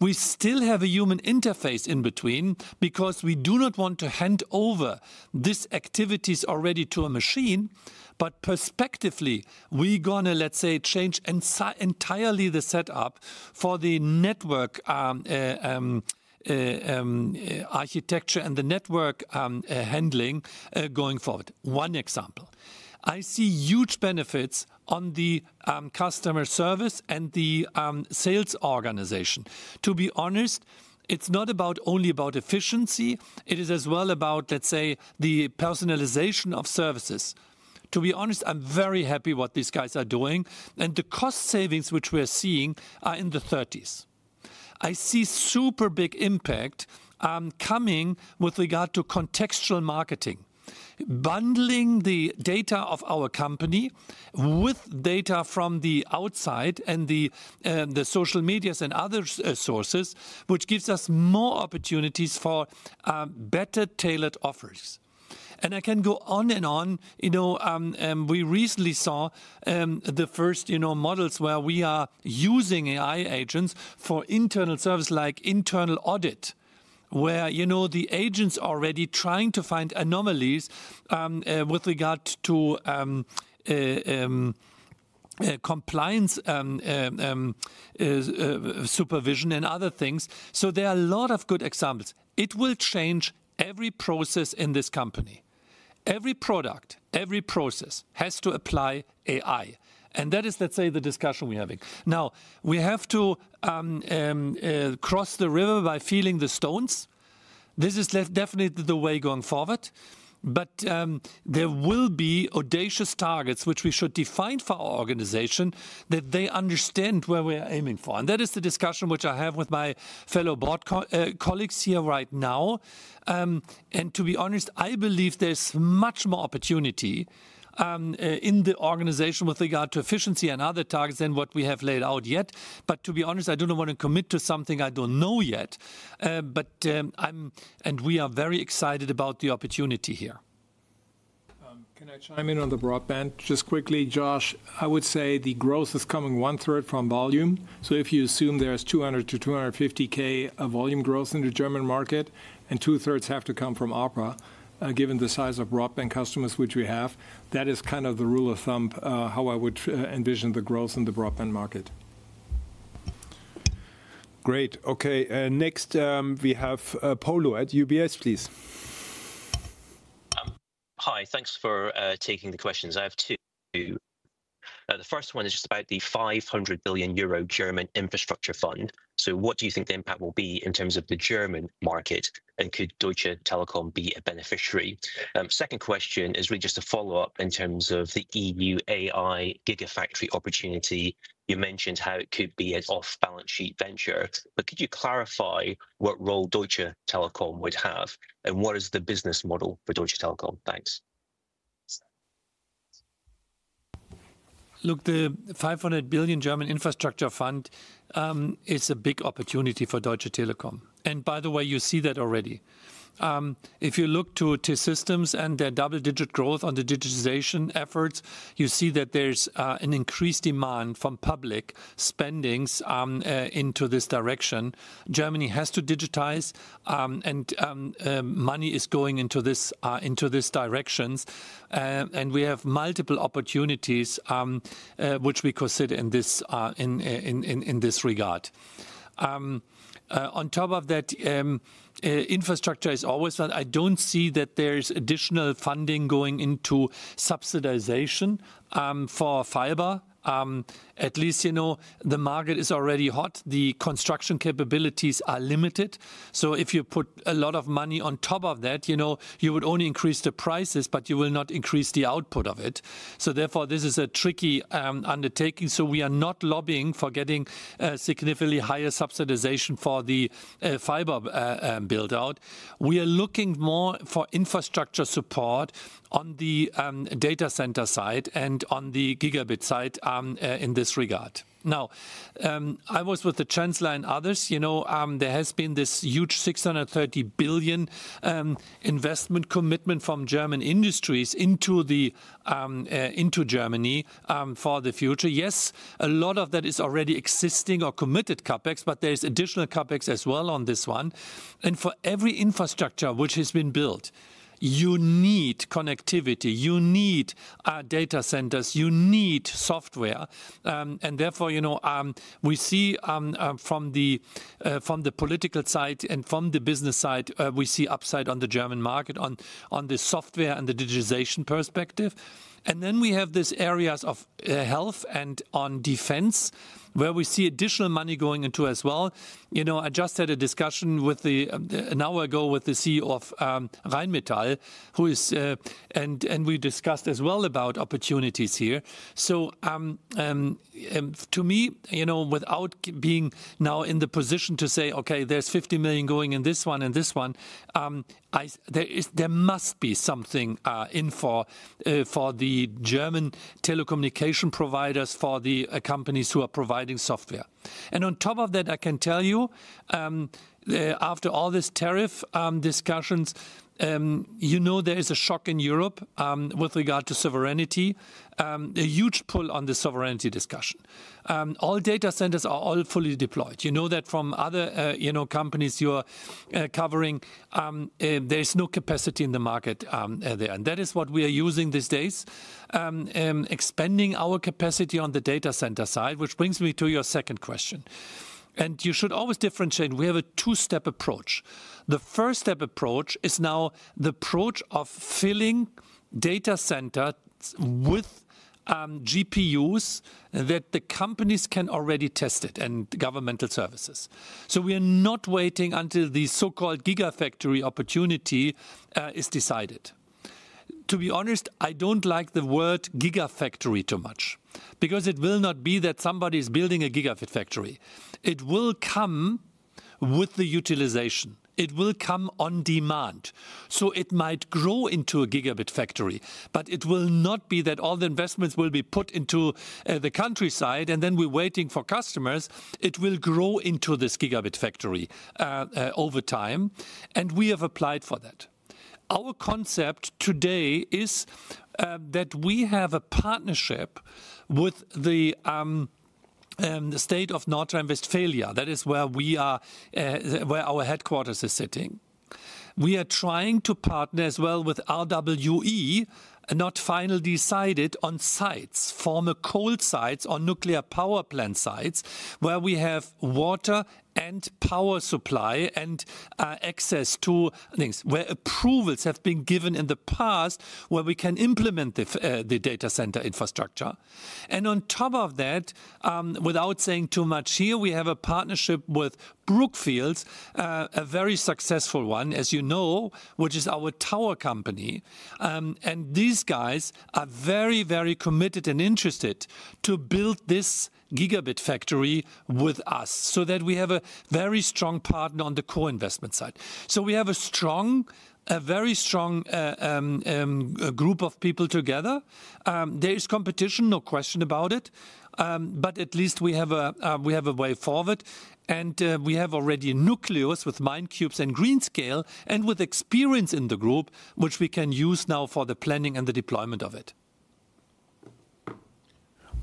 We still have a human interface in between because we do not want to hand over these activities already to a machine, but perspectively, we're going to, let's say, change entirely the setup for the network architecture and the network handling going forward. One example. I see huge benefits on the customer service and the sales organization. To be honest, it's not only about efficiency. It is as well about, let's say, the personalization of services. To be honest, I'm very happy with what these guys are doing, and the cost savings, which we are seeing, are in the 30%. I see super big impact coming with regard to contextual marketing, bundling the data of our company with data from the outside and the social medias and other sources, which gives us more opportunities for better tailored offers. I can go on and on. You know, we recently saw the first models where we are using AI agents for internal service, like internal audit, where the agents are already trying to find anomalies with regard to compliance supervision and other things. There are a lot of good examples. It will change every process in this company. Every product, every process has to apply AI. That is, let's say, the discussion we're having. Now, we have to cross the river by feeling the stones. This is definitely the way going forward. There will be audacious targets, which we should define for our organization so that they understand where we're aiming for. That is the discussion which I have with my fellow board colleagues here right now. To be honest, I believe there's much more opportunity in the organization with regard to efficiency and other targets than what we have laid out yet. To be honest, I don't want to commit to something I don't know yet. We are very excited about the opportunity here. Can I chime in on the broadband just quickly, Josh? I would say the growth is coming one-third from volume. If you assume there's 200,000-250,000 volume growth in the German market, and two-thirds have to come from ARPA, given the size of broadband customers which we have, that is kind of the rule of thumb, how I would envision the growth in the broadband market. Great. Okay. Next, we have Polo at UBS, please. Hi, thanks for taking the questions. I have two. The first one is just about the 500 billion euro German infrastructure fund. What do you think the impact will be in terms of the German market? Could Deutsche Telekom be a beneficiary? My second question is really just a follow-up in terms of the EU AI gigafactory opportunity. You mentioned how it could be an off-balance sheet venture, but could you clarify what role Deutsche Telekom would have? What is the business model for Deutsche Telekom? Thanks. Look, the 500 billion German infrastructure fund is a big opportunity for Deutsche Telekom. By the way, you see that already. If you look to T-Systems and their double-digit growth on the digitization efforts, you see that there's an increased demand from public spendings into this direction. Germany has to digitize, and money is going into these directions. We have multiple opportunities which we consider in this regard. On top of that, infrastructure is always done. I don't see that there's additional funding going into subsidization for fiber. At least, you know, the market is already hot. The construction capabilities are limited. If you put a lot of money on top of that, you would only increase the prices, but you will not increase the output of it. Therefore, this is a tricky undertaking. We are not lobbying for getting a significantly higher subsidization for the fiber build-out. We are looking more for infrastructure support on the data center side and on the gigabit side in this regard. I was with the Chancellor and others. There has been this huge 630 billion investment commitment from German industries into Germany for the future. Yes, a lot of that is already existing or committed CapEx, but there's additional CapEx as well on this one. For every infrastructure which has been built, you need connectivity, you need data centers, you need software. Therefore, we see from the political side and from the business side, we see upside on the German market on the software and the digitization perspective. We have these areas of health and on defense where we see additional money going into as well. I just had a discussion an hour ago with the CEO of Rheinmetall, and we discussed as well about opportunities here. To me, without being now in the position to say, okay, there's 50 million going in this one and this one, there must be something in for the German telecommunication providers, for the companies who are providing software. On top of that, I can tell you, after all these tariff discussions, there is a shock in Europe with regard to sovereignty, a huge pull on the sovereignty discussion. All data centers are all fully deployed. You know that from other companies you are covering, there's no capacity in the market there. That is what we are using these days, expanding our capacity on the data center side, which brings me to your second question. You should always differentiate. We have a two-step approach. The first step approach is now the approach of filling data centers with GPUs that the companies can already test it and governmental services. We are not waiting until the so-called gigafactory opportunity is decided. To be honest, I don't like the word gigafactory too much because it will not be that somebody is building a gigabit factory. It will come with the utilization. It will come on demand. It might grow into a gigabit factory, but it will not be that all the investments will be put into the countryside and then we're waiting for customers. It will grow into this gigabit factory over time, and we have applied for that. Our concept today is that we have a partnership with the state of North Rhine-Westphalia. That is where our headquarters is sitting. We are trying to partner as well with RWE, not finally decided on sites, former coal sites or nuclear power plant sites where we have water and power supply and access to things where approvals have been given in the past where we can implement the data center infrastructure. On top of that, without saying too much here, we have a partnership with Brookfields, a very successful one, as you know, which is our tower company. These guys are very, very committed and interested to build this gigabit factory with us so that we have a very strong partner on the co-investment side. We have a strong, a very strong group of people together. There is competition, no question about it, but at least we have a way forward. We have already nuclears with Mine Cubes and Green Scale and with experience in the group, which we can use now for the planning and the deployment of it.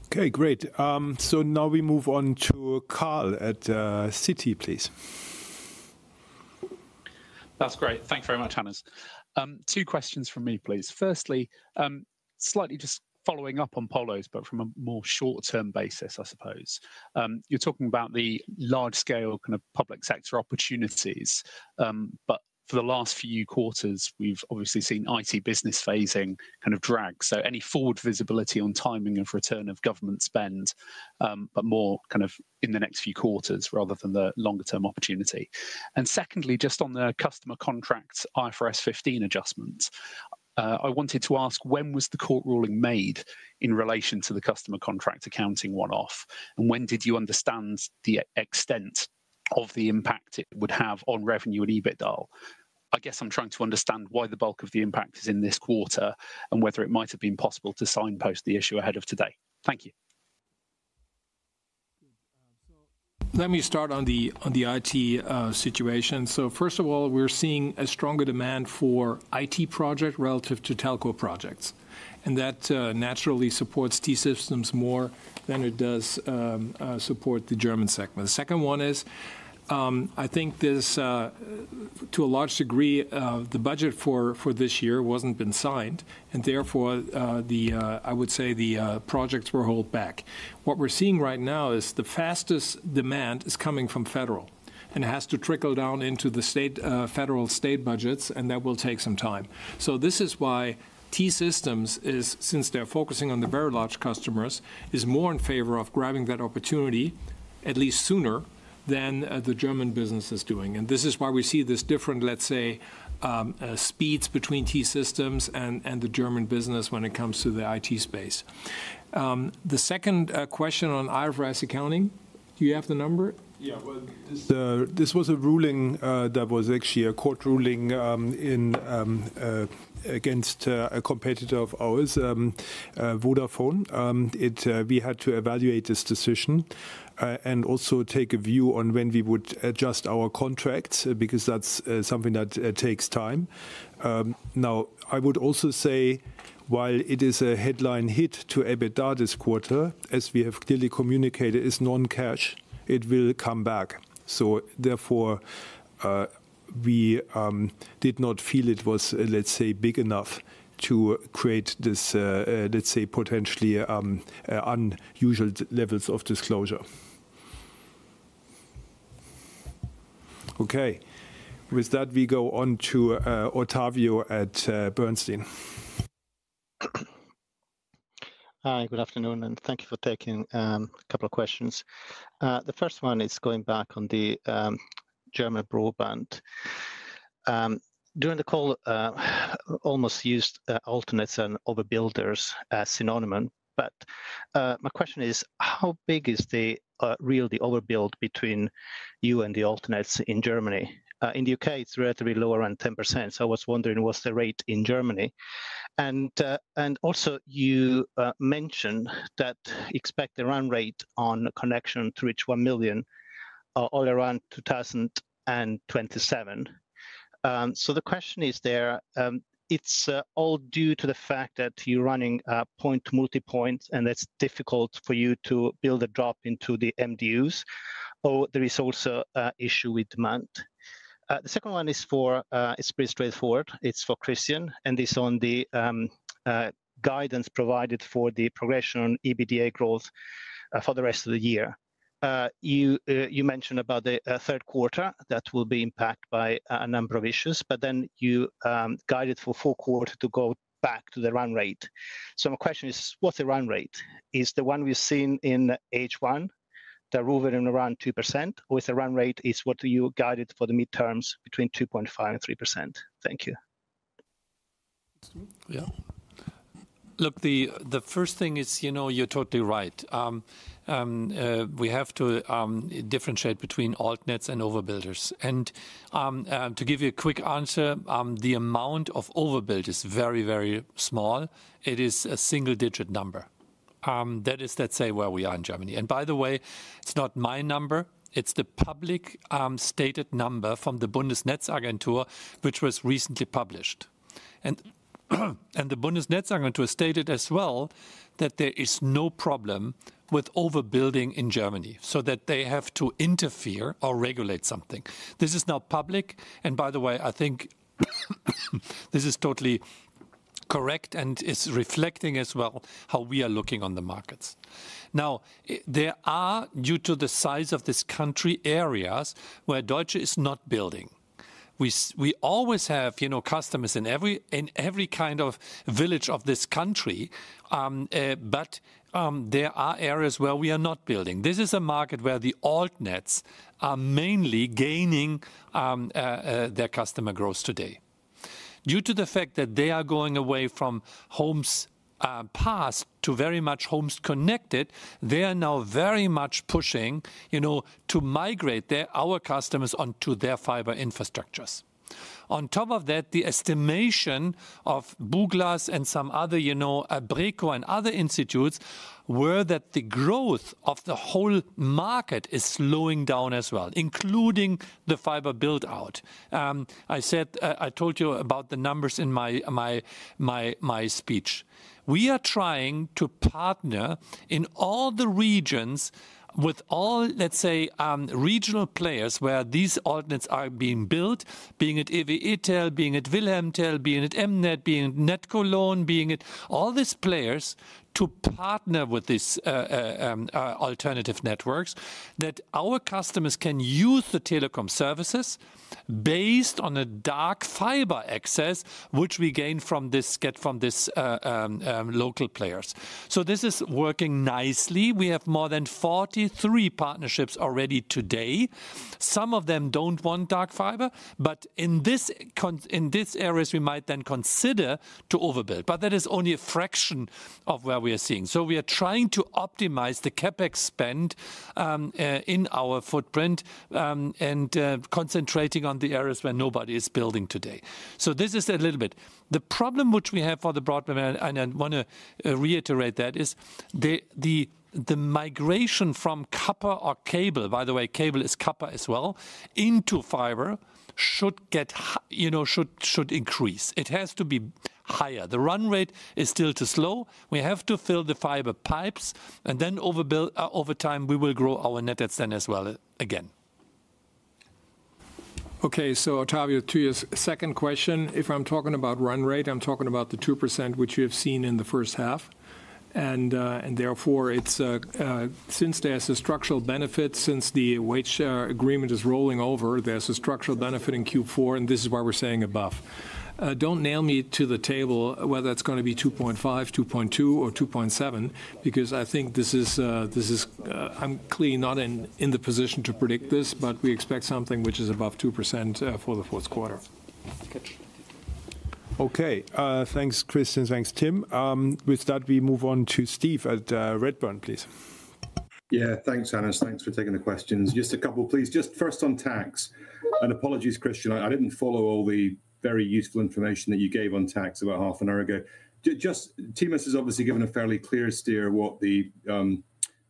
Okay, great. Now we move on to Carl at Citi, please. That's great. Thanks very much, Hannes. Two questions from me, please. Firstly, slightly just following up on Polo's, but from a more short-term basis, I suppose. You're talking about the large-scale kind of public sector opportunities, but for the last few quarters, we've obviously seen IT business phasing kind of drag. Any forward visibility on timing of return of government spend, but more kind of in the next few quarters rather than the longer-term opportunity? Secondly, just on the customer contracts IFRS 15 adjustments, I wanted to ask when was the court ruling made in relation to the customer contract accounting one-off? When did you understand the extent of the impact it would have on revenue and EBITDA? I guess I'm trying to understand why the bulk of the impact is in this quarter and whether it might have been possible to signpost the issue ahead of today. Thank you. Let me start on the IT situation. First of all, we're seeing a stronger demand for IT projects relative to telco projects. That naturally supports T-Systems more than it does support the German segment. The second one is, to a large degree, the budget for this year hasn't been signed. Therefore, I would say the projects were held back. What we're seeing right now is the fastest demand is coming from federal, and it has to trickle down into the federal state budgets, and that will take some time. This is why T-Systems, since they're focusing on the very large customers, is more in favor of grabbing that opportunity, at least sooner, than the German business is doing. This is why we see these different, let's say, speeds between T-Systems and the German business when it comes to the IT space. The second question on IFRS accounting, do you have the number? Yeah. This was a ruling that was actually a court ruling against a competitor of ours, Vodafone. We had to evaluate this decision and also take a view on when we would adjust our contracts because that's something that takes time. I would also say, while it is a headline hit to EBITDA this quarter, as we have clearly communicated, it is non-cash, it will come back. Therefore, we did not feel it was, let's say, big enough to create this, let's say, potentially unusual levels of disclosure. With that, we go on to Ottavio at Bernstein. Hi, good afternoon, and thank you for taking a couple of questions. The first one is going back on the German broadband. During the call, I almost used altnets and overbuilders as synonyms. My question is, how big is the real overbuild between you and the altnets in Germany? In the U.K., it's relatively lower than 10%. I was wondering, what's the rate in Germany? You mentioned that you expect the run rate on connection to reach 1 million all around 2027. The question is there, it's all due to the fact that you're running point to multi-point, and that's difficult for you to build a drop into the MDUs, or there is also an issue with demand. The second one is for, it's pretty straightforward, it's for Christian, and it's on the guidance provided for the progression on EBITDA growth for the rest of the year. You mentioned about the third quarter that will be impacted by a number of issues, but then you guided for the fourth quarter to go back to the run rate. My question is, what's the run rate? Is the one we've seen in H1 that are over and around 2%, or is the run rate what you guided for the midterms between 2.5% and 3%? Thank you. Yeah. Look, the first thing is, you know, you're totally right. We have to differentiate between altnets and overbuilders. To give you a quick answer, the amount of overbuild is very, very small. It is a single-digit number. That is, let's say, where we are in Germany. By the way, it's not my number. It's the public stated number from the Bundesnetzagentur, which was recently published. The Bundesnetzagentur stated as well that there is no problem with overbuilding in Germany so that they have to interfere or regulate something. This is now public. I think this is totally correct and is reflecting as well how we are looking on the markets. Now, there are, due to the size of this country, areas where Deutsche Telekom is not building. We always have, you know, customers in every kind of village of this country, but there are areas where we are not building. This is a market where the altnets are mainly gaining their customer growth today. Due to the fact that they are going away from homes passed to very much homes connected, they are now very much pushing, you know, to migrate our customers onto their fiber infrastructures. On top of that, the estimation of Buglas and some other, you know, Breko and other institutes was that the growth of the whole market is slowing down as well, including the fiber build-out. I said, I told you about the numbers in my speech. We are trying to partner in all the regions with all, let's say, regional players where these altnets are being built, being at EWE-Tel, being at Wilhelm Tel, being at MNET, being at NetCologne, being at all these players to partner with these alternative networks that our customers can use the telecom services based on the dark fiber access which we gain from these local players. This is working nicely. We have more than 43 partnerships already today. Some of them don't want dark fiber, but in these areas, we might then consider to overbuild. That is only a fraction of where we are seeing. We are trying to optimize the CapEx spend in our footprint and concentrating on the areas where nobody is building today. This is a little bit. The problem which we have for the broadband, and I want to reiterate that, is the migration from copper or cable, by the way, cable is copper as well, into fiber should get, you know, should increase. It has to be higher. The run rate is still too slow. We have to fill the fiber pipes, and then over time, we will grow our net adds then as well again. Okay, so Ottavio, to your second question, if I'm talking about rate, I'm talking about the 2%, which you have seen in the first half. Since there's a structural benefit, since the wage share agreement is rolling over, there's a structural benefit in Q4, and this is why we're saying above. Don't nail me to the table whether it's going to be 2.5%, 2.2%, or 2.7%, because I think this is, I'm clearly not in the position to predict this, but we expect something which is above 2% for the fourth quarter. Okay. Okay, thanks, Christian. Thanks, Tim. With that, we move on to Steve at Redburn, please. Yeah, thanks, Hannes. Thanks for taking the questions. Just a couple, please. Just first on tax. Apologies, Christian. I didn't follow all the very useful information that you gave on tax about half an hour ago. Temas has obviously given a fairly clear steer of what the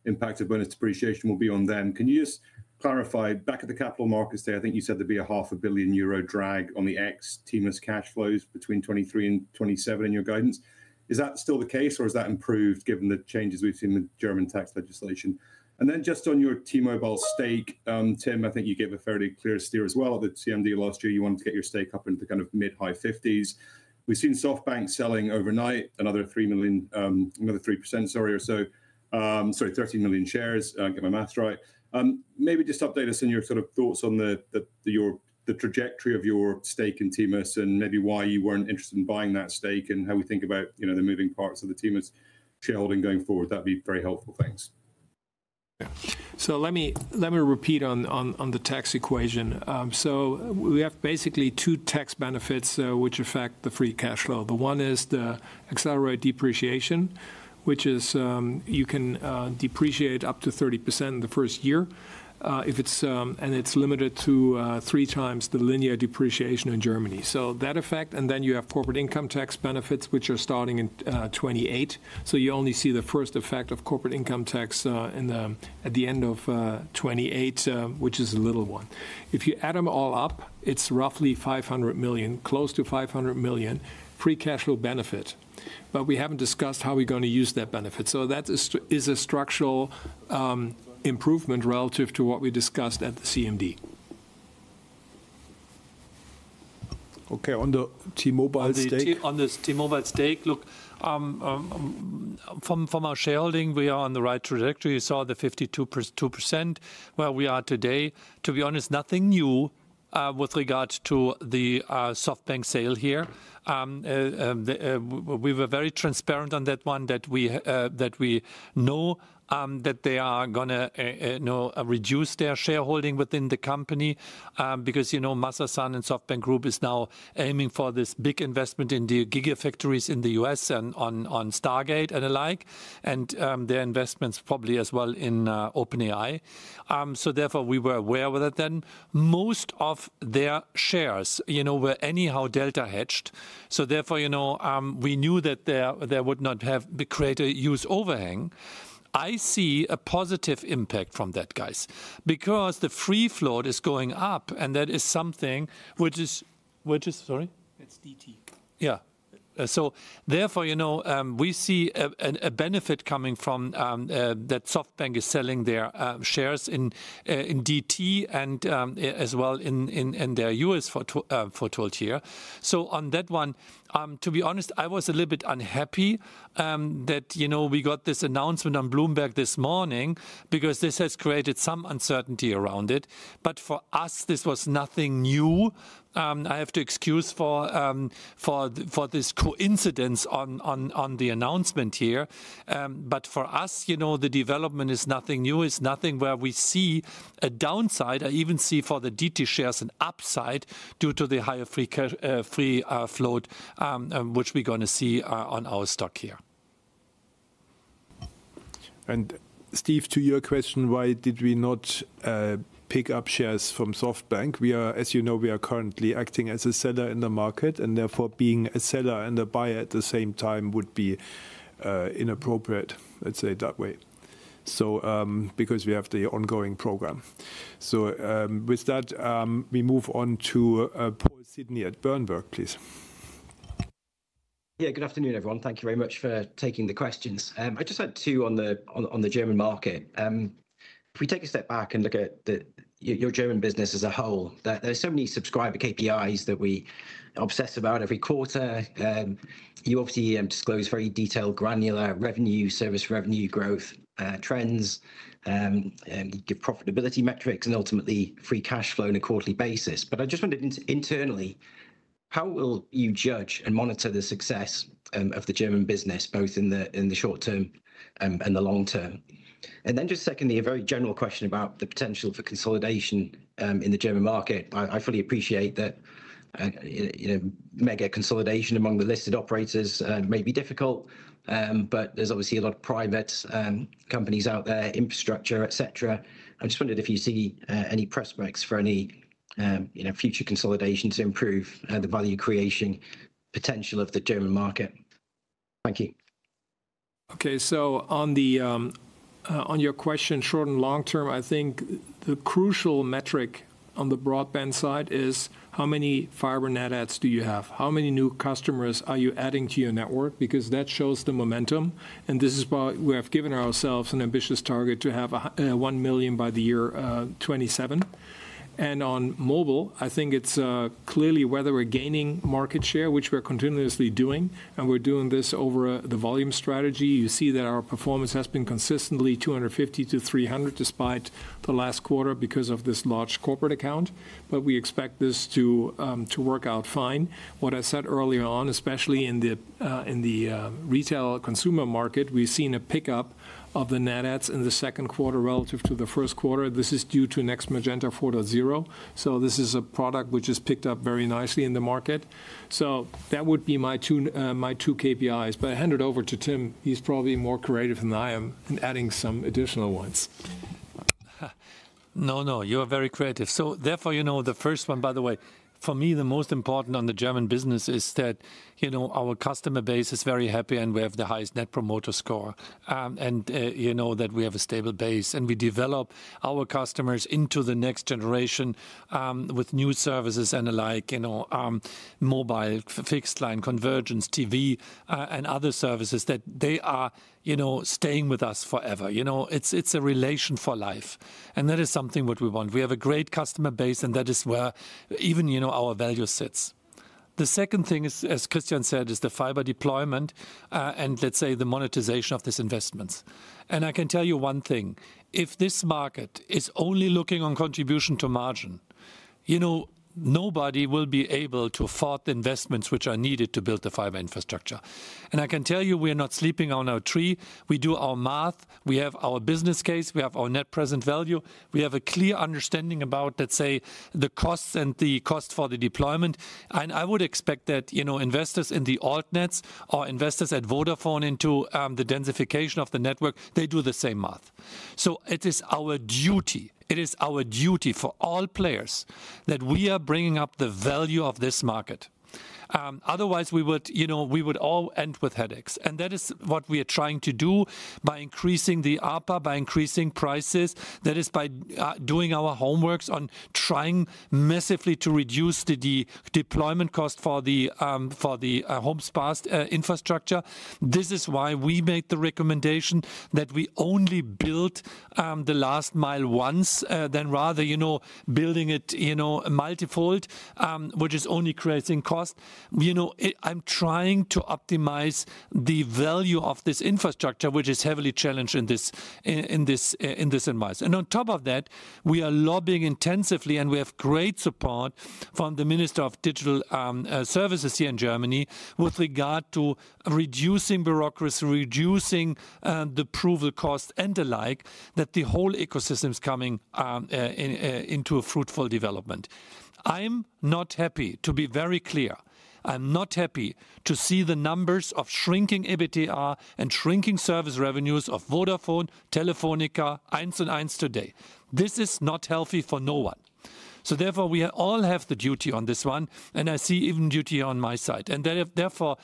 impact of bonus depreciation will be on them. Can you just clarify, back at the capital markets there, I think you said there'd be a 0.5 billion euro drag on the ex-T-Mobile U.S. cash flows between 2023 and 2027, in your guidance. Is that still the case, or has that improved given the changes we've seen in the German tax legislation? Just on your T-Mobile U.S. stake, Tim, I think you gave a fairly clear steer as well at the TMD last year. You wanted to get your stake up into kind of mid-high fifties. We've seen SoftBank selling overnight another 3%, or so, sorry, 13 million shares. I get my maths right. Maybe just update us in your thoughts on the trajectory of your stake in T-Mobile U.S. and maybe why you weren't interested in buying that stake and how we think about the moving parts of the T-Mobile U.S. shareholding going forward. That'd be very helpful. Thanks. Let me repeat on the tax equation. We have basically two tax benefits, which affect the free cash flow. One is the accelerated depreciation, which is, you can depreciate up to 30% in the first year, and it's limited to three times the linear depreciation in Germany. That effect, and then you have corporate income tax benefits, which are starting in 2028. You only see the first effect of corporate income tax at the end of 2028, which is a little one. If you add them all up, it's roughly 500 million, close to 500 million free cash flow benefit. We haven't discussed how we're going to use that benefit. That is a structural improvement relative to what we discussed at the CMD. Okay. On the T-Mobile U.S. stake? On the T-Mobile U.S. stake, look, from our shareholding, we are on the right trajectory. You saw the 52%, where we are today. To be honest, nothing new with regard to the SoftBank sale here. We were very transparent on that one, that we know that they are going to reduce their shareholding within the company, because, you know, Masan and SoftBank Group is now aiming for this big investment in the gigafactories in the U.S. and on Stargate and the like, and their investments probably as well in OpenAI. We were aware of that then. Most of their shares were anyhow delta hedged. We knew that there would not have been a greater use overhang. I see a positive impact from that, guys, because the free float is going up, and that is something which is, which is, sorry? It's DT. Yeah. Therefore, you know, we see a benefit coming from that SoftBank is selling their shares in DT and as well in their U.S. for the 12th year. To be honest, I was a little bit unhappy that, you know, we got this announcement on Bloomberg this morning because this has created some uncertainty around it. For us, this was nothing new. I have to excuse for this coincidence on the announcement here. For us, you know, the development is nothing new. It's nothing where we see a downside. I even see for the DT shares an upside due to the higher free float, which we're going to see on our stock here. Steve, to your question, why did we not pick up shares from SoftBank? As you know, we are currently acting as a seller in the market, and therefore, being a seller and a buyer at the same time would be inappropriate, let's say it that way, because we have the ongoing program. With that, we move on to Paul Sydney at Bernberg, please. Yeah, good afternoon, everyone. Thank you very much for taking the questions. I just had two on the German market. If we take a step back and look at your German business as a whole, there's so many subscriber KPIs that we obsess about every quarter. You obviously disclose very detailed, granular revenue, service revenue growth, trends, and your profitability metrics, and ultimately free cash flow on a quarterly basis. I just wondered, internally, how will you judge and monitor the success of the German business, both in the short term and the long term? Secondly, a very general question about the potential for consolidation in the German market. I fully appreciate that, you know, mega consolidation among the listed operators may be difficult, but there's obviously a lot of private companies out there, infrastructure, et cetera. I just wondered if you see any prospects for any, you know, future consolidation to improve the value creation potential of the German market. Thank you. Okay. On your question, short and long term, I think the crucial metric on the broadband side is how many fiber net adds do you have? How many new customers are you adding to your network? That shows the momentum. This is why we have given ourselves an ambitious target to have 1 million by the year 2027. On mobile, I think it's clearly whether we're gaining market share, which we're continuously doing, and we're doing this over the volume strategy. You see that our performance has been consistently 250-300 despite the last quarter because of this large corporate account. We expect this to work out fine. What I said early on, especially in the retail consumer market, we've seen a pickup of the net adds in the second quarter relative to the first quarter. This is due to Next Magenta 4.0. This is a product which has picked up very nicely in the market. That would be my two KPIs. I hand it over to Tim. He's probably more creative than I am in adding some additional ones. No, no, you are very creative. Therefore, the first one, by the way, for me, the most important on the German business is that our customer base is very happy and we have the highest net promoter score, and that we have a stable base and we develop our customers into the next generation with new services and the like, mobile, fixed line, convergence, TV, and other services that they are staying with us forever. It's a relation for life. That is something we want. We have a great customer base, and that is where even our value sits. The second thing is, as Christian said, the fiber deployment, and let's say the monetization of these investments. I can tell you one thing. If this market is only looking on contribution to margin, nobody will be able to afford the investments which are needed to build the fiber infrastructure. I can tell you we're not sleeping on our tree. We do our math. We have our business case. We have our net present value. We have a clear understanding about the costs and the cost for the deployment. I would expect that investors in the altnets or investors at Vodafone into the densification of the network, they do the same math. It is our duty. It is our duty for all players that we are bringing up the value of this market. Otherwise, we would all end with headaches. That is what we are trying to do by increasing the ARPA, by increasing prices. That is by doing our homeworks on trying massively to reduce the deployment cost for the home spa infrastructure. This is why we make the recommendation that we only build the last mile once, rather than building it multifold, which is only creating cost. I'm trying to optimize the value of this infrastructure, which is heavily challenged in this invoice. On top of that, we are lobbying intensively, and we have great support from the Minister of Digital Services here in Germany with regard to reducing bureaucracy, reducing the approval cost and the like, so that the whole ecosystem is coming into a fruitful development. I'm not happy, to be very clear, I'm not happy to see the numbers of shrinking EBITDA and shrinking service revenues of Vodafone, Telefónica, and Einstein today. This is not healthy for no one. Therefore, we all have the duty on this one, and I see even duty on my side. Therefore,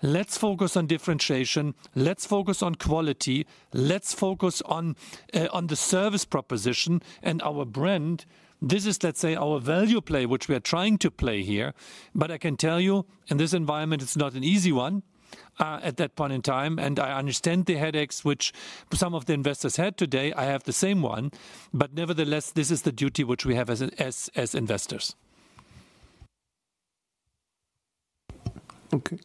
let's focus on differentiation. Let's focus on quality. Let's focus on the service proposition and our brand. This is, let's say, our value play, which we are trying to play here. I can tell you, in this environment, it's not an easy one at that point in time. I understand the headaches which some of the investors had today. I have the same one. Nevertheless, this is the duty which we have as investors. Okay.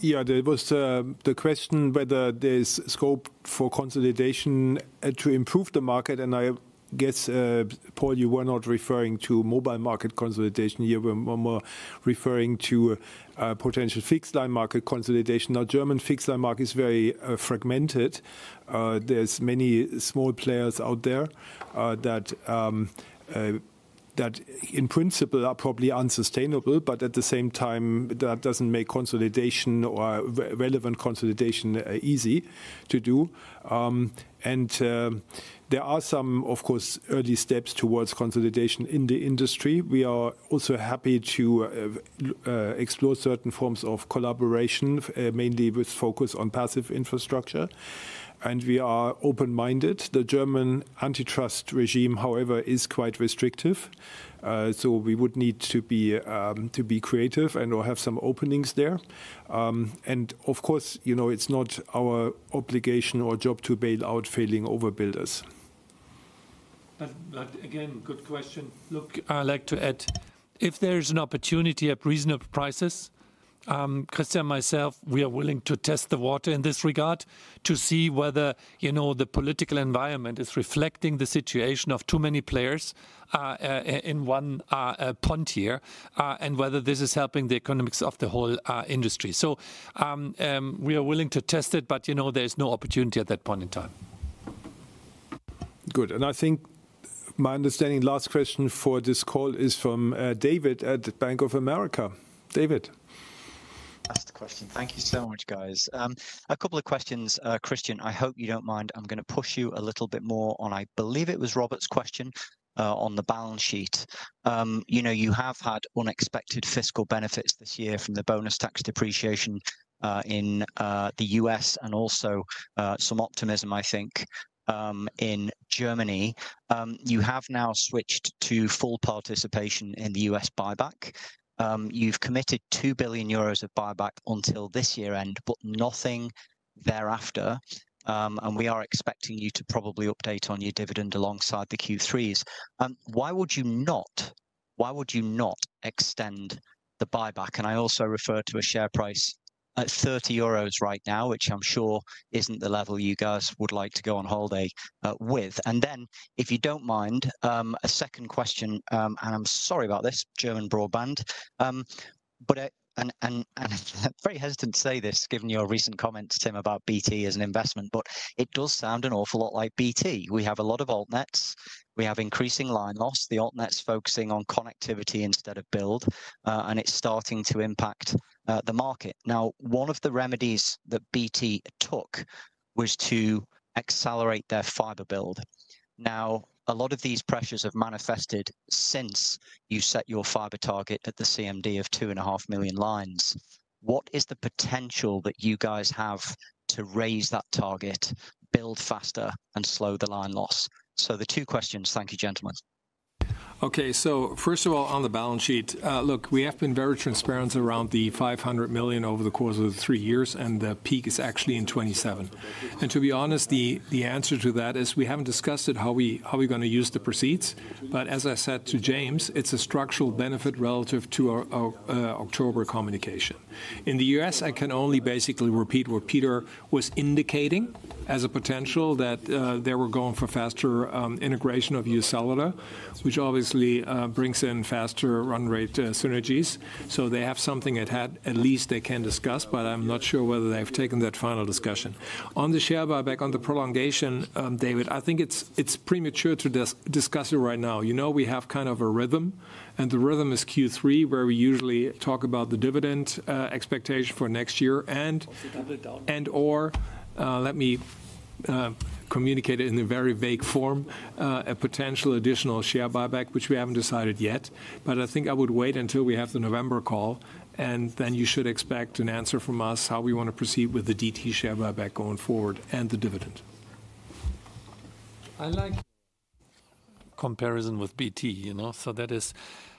Yeah, there was the question whether there's scope for consolidation to improve the market. I guess, Paul, you were not referring to mobile market consolidation. You were more referring to potential fixed-line market consolidation. Now, German fixed-line market is very fragmented. There's many small players out there that in principle are probably unsustainable, but at the same time, that doesn't make consolidation or relevant consolidation easy to do. There are some, of course, early steps towards consolidation in the industry. We are also happy to explore certain forms of collaboration, mainly with focus on passive infrastructure. We are open-minded. The German antitrust regime, however, is quite restrictive, so we would need to be creative and/or have some openings there. Of course, you know, it's not our obligation or job to bail out failing overbuilders. Again, good question. Look, I'd like to add, if there is an opportunity at reasonable prices, Christian and myself, we are willing to test the water in this regard to see whether, you know, the political environment is reflecting the situation of too many players in one pond here, and whether this is helping the economics of the whole industry. We are willing to test it, but you know, there's no opportunity at that point in time. Good. I think my understanding, last question for this call is from David at Bank of America. David? That's the question. Thank you so much, guys. A couple of questions, Christian, I hope you don't mind. I'm going to push you a little bit more on, I believe it was Robert's question, on the balance sheet. You know, you have had unexpected fiscal benefits this year from the bonus tax depreciation in the U.S. and also some optimism, I think, in Germany. You have now switched to full participation in the U.S. buyback. You've committed 2 billion euros of buyback until this year end, but nothing thereafter. We are expecting you to probably update on your dividend alongside the Q3s. Why would you not extend the buyback? I also refer to a share price at 30 euros right now, which I'm sure isn't the level you guys would like to go on holiday with. If you don't mind, a second question, and I'm sorry about this, German broadband. I'm very hesitant to say this given your recent comments, Tim, about BT as an investment, but it does sound an awful lot like BT. We have a lot of altnets. We have increasing line loss. The altnets focusing on connectivity instead of build, and it's starting to impact the market. One of the remedies that BT took was to accelerate their fiber build. A lot of these pressures have manifested since you set your fiber target at the CMD of 2.5 million lines. What is the potential that you guys have to raise that target, build faster, and slow the line loss? So the two questions. Thank you, gentlemen. Okay. So first of all, on the balance sheet, look, we have been very transparent around the $500 million over the course of the three years, and the peak is actually in 2027. To be honest, the answer to that is we haven't discussed it, how we, how are we going to use the proceeds. As I said to James, it's a structural benefit relative to our October communication. In the U.S., I can only basically repeat what Peter was indicating as a potential, that they were going for faster integration of USCellular, which obviously brings in faster run rate synergies. They have something at hand, at least they can discuss, but I'm not sure whether they've taken that final discussion. On the share buyback, on the prolongation, David, I think it's premature to discuss it right now. You know, we have kind of a rhythm, and the rhythm is Q3, where we usually talk about the dividend expectation for next year, and, or, let me communicate it in a very vague form, a potential additional share buyback, which we haven't decided yet. I would wait until we have the November call, and then you should expect an answer from us how we want to proceed with the Deutsche Telekom share buyback going forward and the dividend. I like comparison with BT, you know, so that is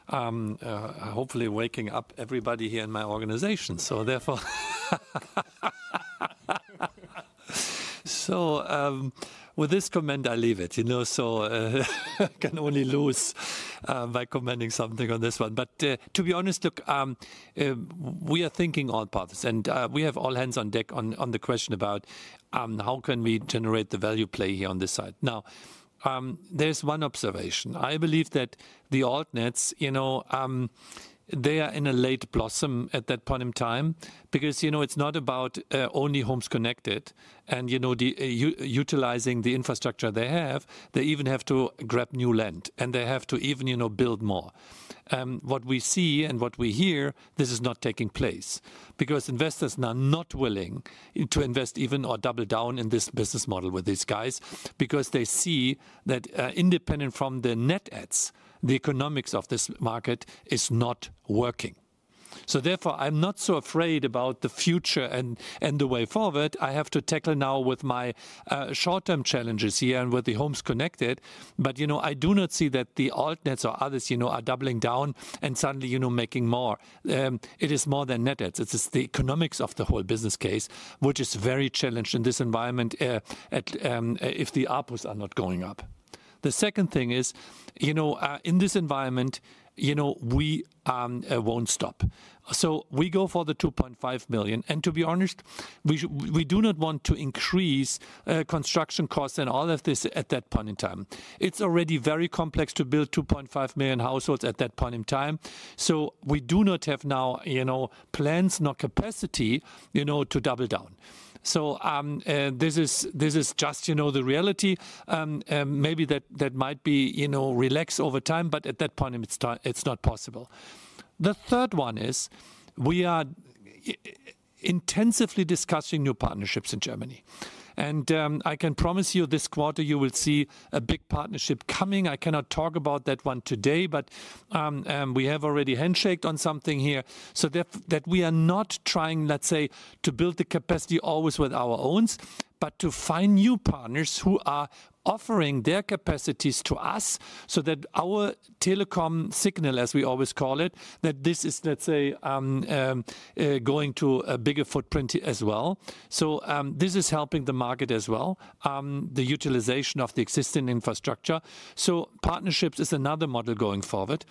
hopefully waking up everybody here in my organization. With this comment, I leave it, you know, I can only lose by commending something on this one. To be honest, look, we are thinking all paths, and we have all hands on deck on the question about how can we generate the value play here on this side. Now, there's one observation. I believe that the altnets, you know, they are in a late blossom at that point in time because, you know, it's not about only homes connected and, you know, utilizing the infrastructure they have. They even have to grab new land, and they have to even, you know, build more. What we see and what we hear, this is not taking place because investors are not willing to invest even or double down in this business model with these guys because they see that, independent from the net adds, the economics of this market is not working. I'm not so afraid about the future and the way forward. I have to tackle now with my short-term challenges here and with the homes connected. You know, I do not see that the altnets or others, you know, are doubling down and suddenly, you know, making more. It is more than net adds. It is the economics of the whole business case, which is very challenged in this environment, if the ARPUs are not going up. The second thing is, you know, in this environment, you know, we won't stop. We go for the 2.5 million. To be honest, we do not want to increase construction costs and all of this at that point in time. It's already very complex to build 2.5 million households at that point in time. We do not have now, you know, plans nor capacity, you know, to double down. This is just, you know, the reality. Maybe that might be, you know, relaxed over time, but at that point in time, it's not possible. The third one is we are intensively discussing new partnerships in Germany. I can promise you this quarter, you will see a big partnership coming. I cannot talk about that one today, but we have already handshaked on something here. We are not trying, let's say, to build the capacity always with our owns, but to find new partners who are offering their capacities to us so that our telecom signal, as we always call it, that this is, let's say, going to a bigger footprint as well. This is helping the market as well, the utilization of the existing infrastructure. Partnerships is another model going forward.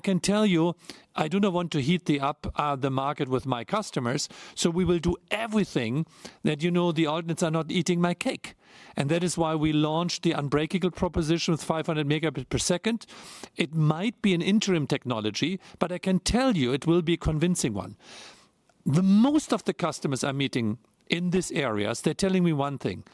I can tell you, I do not want to heat up the market with my customers. We will do everything that, you know, the audience are not eating my cake. That is why we launched the Unbreakable proposition with 500 Mbps. It might be an interim technology, but I can tell you it will be a convincing one. Most of the customers I'm meeting in this area, they're telling me one thing.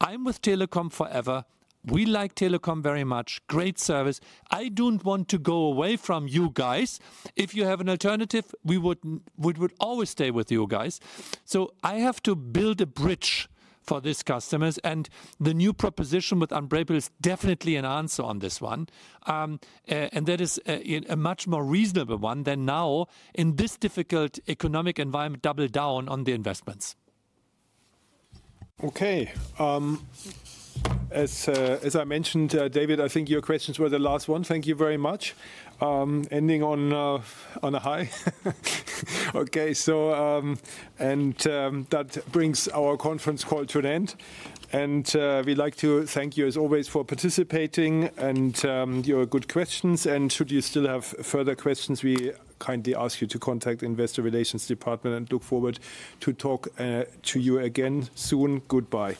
I'm with Telekom forever. We like Telekom very much. Great service. I don't want to go away from you guys. If you have an alternative, we would always stay with you guys. I have to build a bridge for these customers. The new proposition with Unbreakable is definitely an answer on this one, and that is a much more reasonable one than now in this difficult economic environment, double down on the investments. As I mentioned, David, I think your questions were the last one. Thank you very much, ending on a high. That brings our conference call to an end. We'd like to thank you as always for participating and your good questions. Should you still have further questions, we kindly ask you to contact the Investor Relations Department and look forward to talk to you again soon. Goodbye.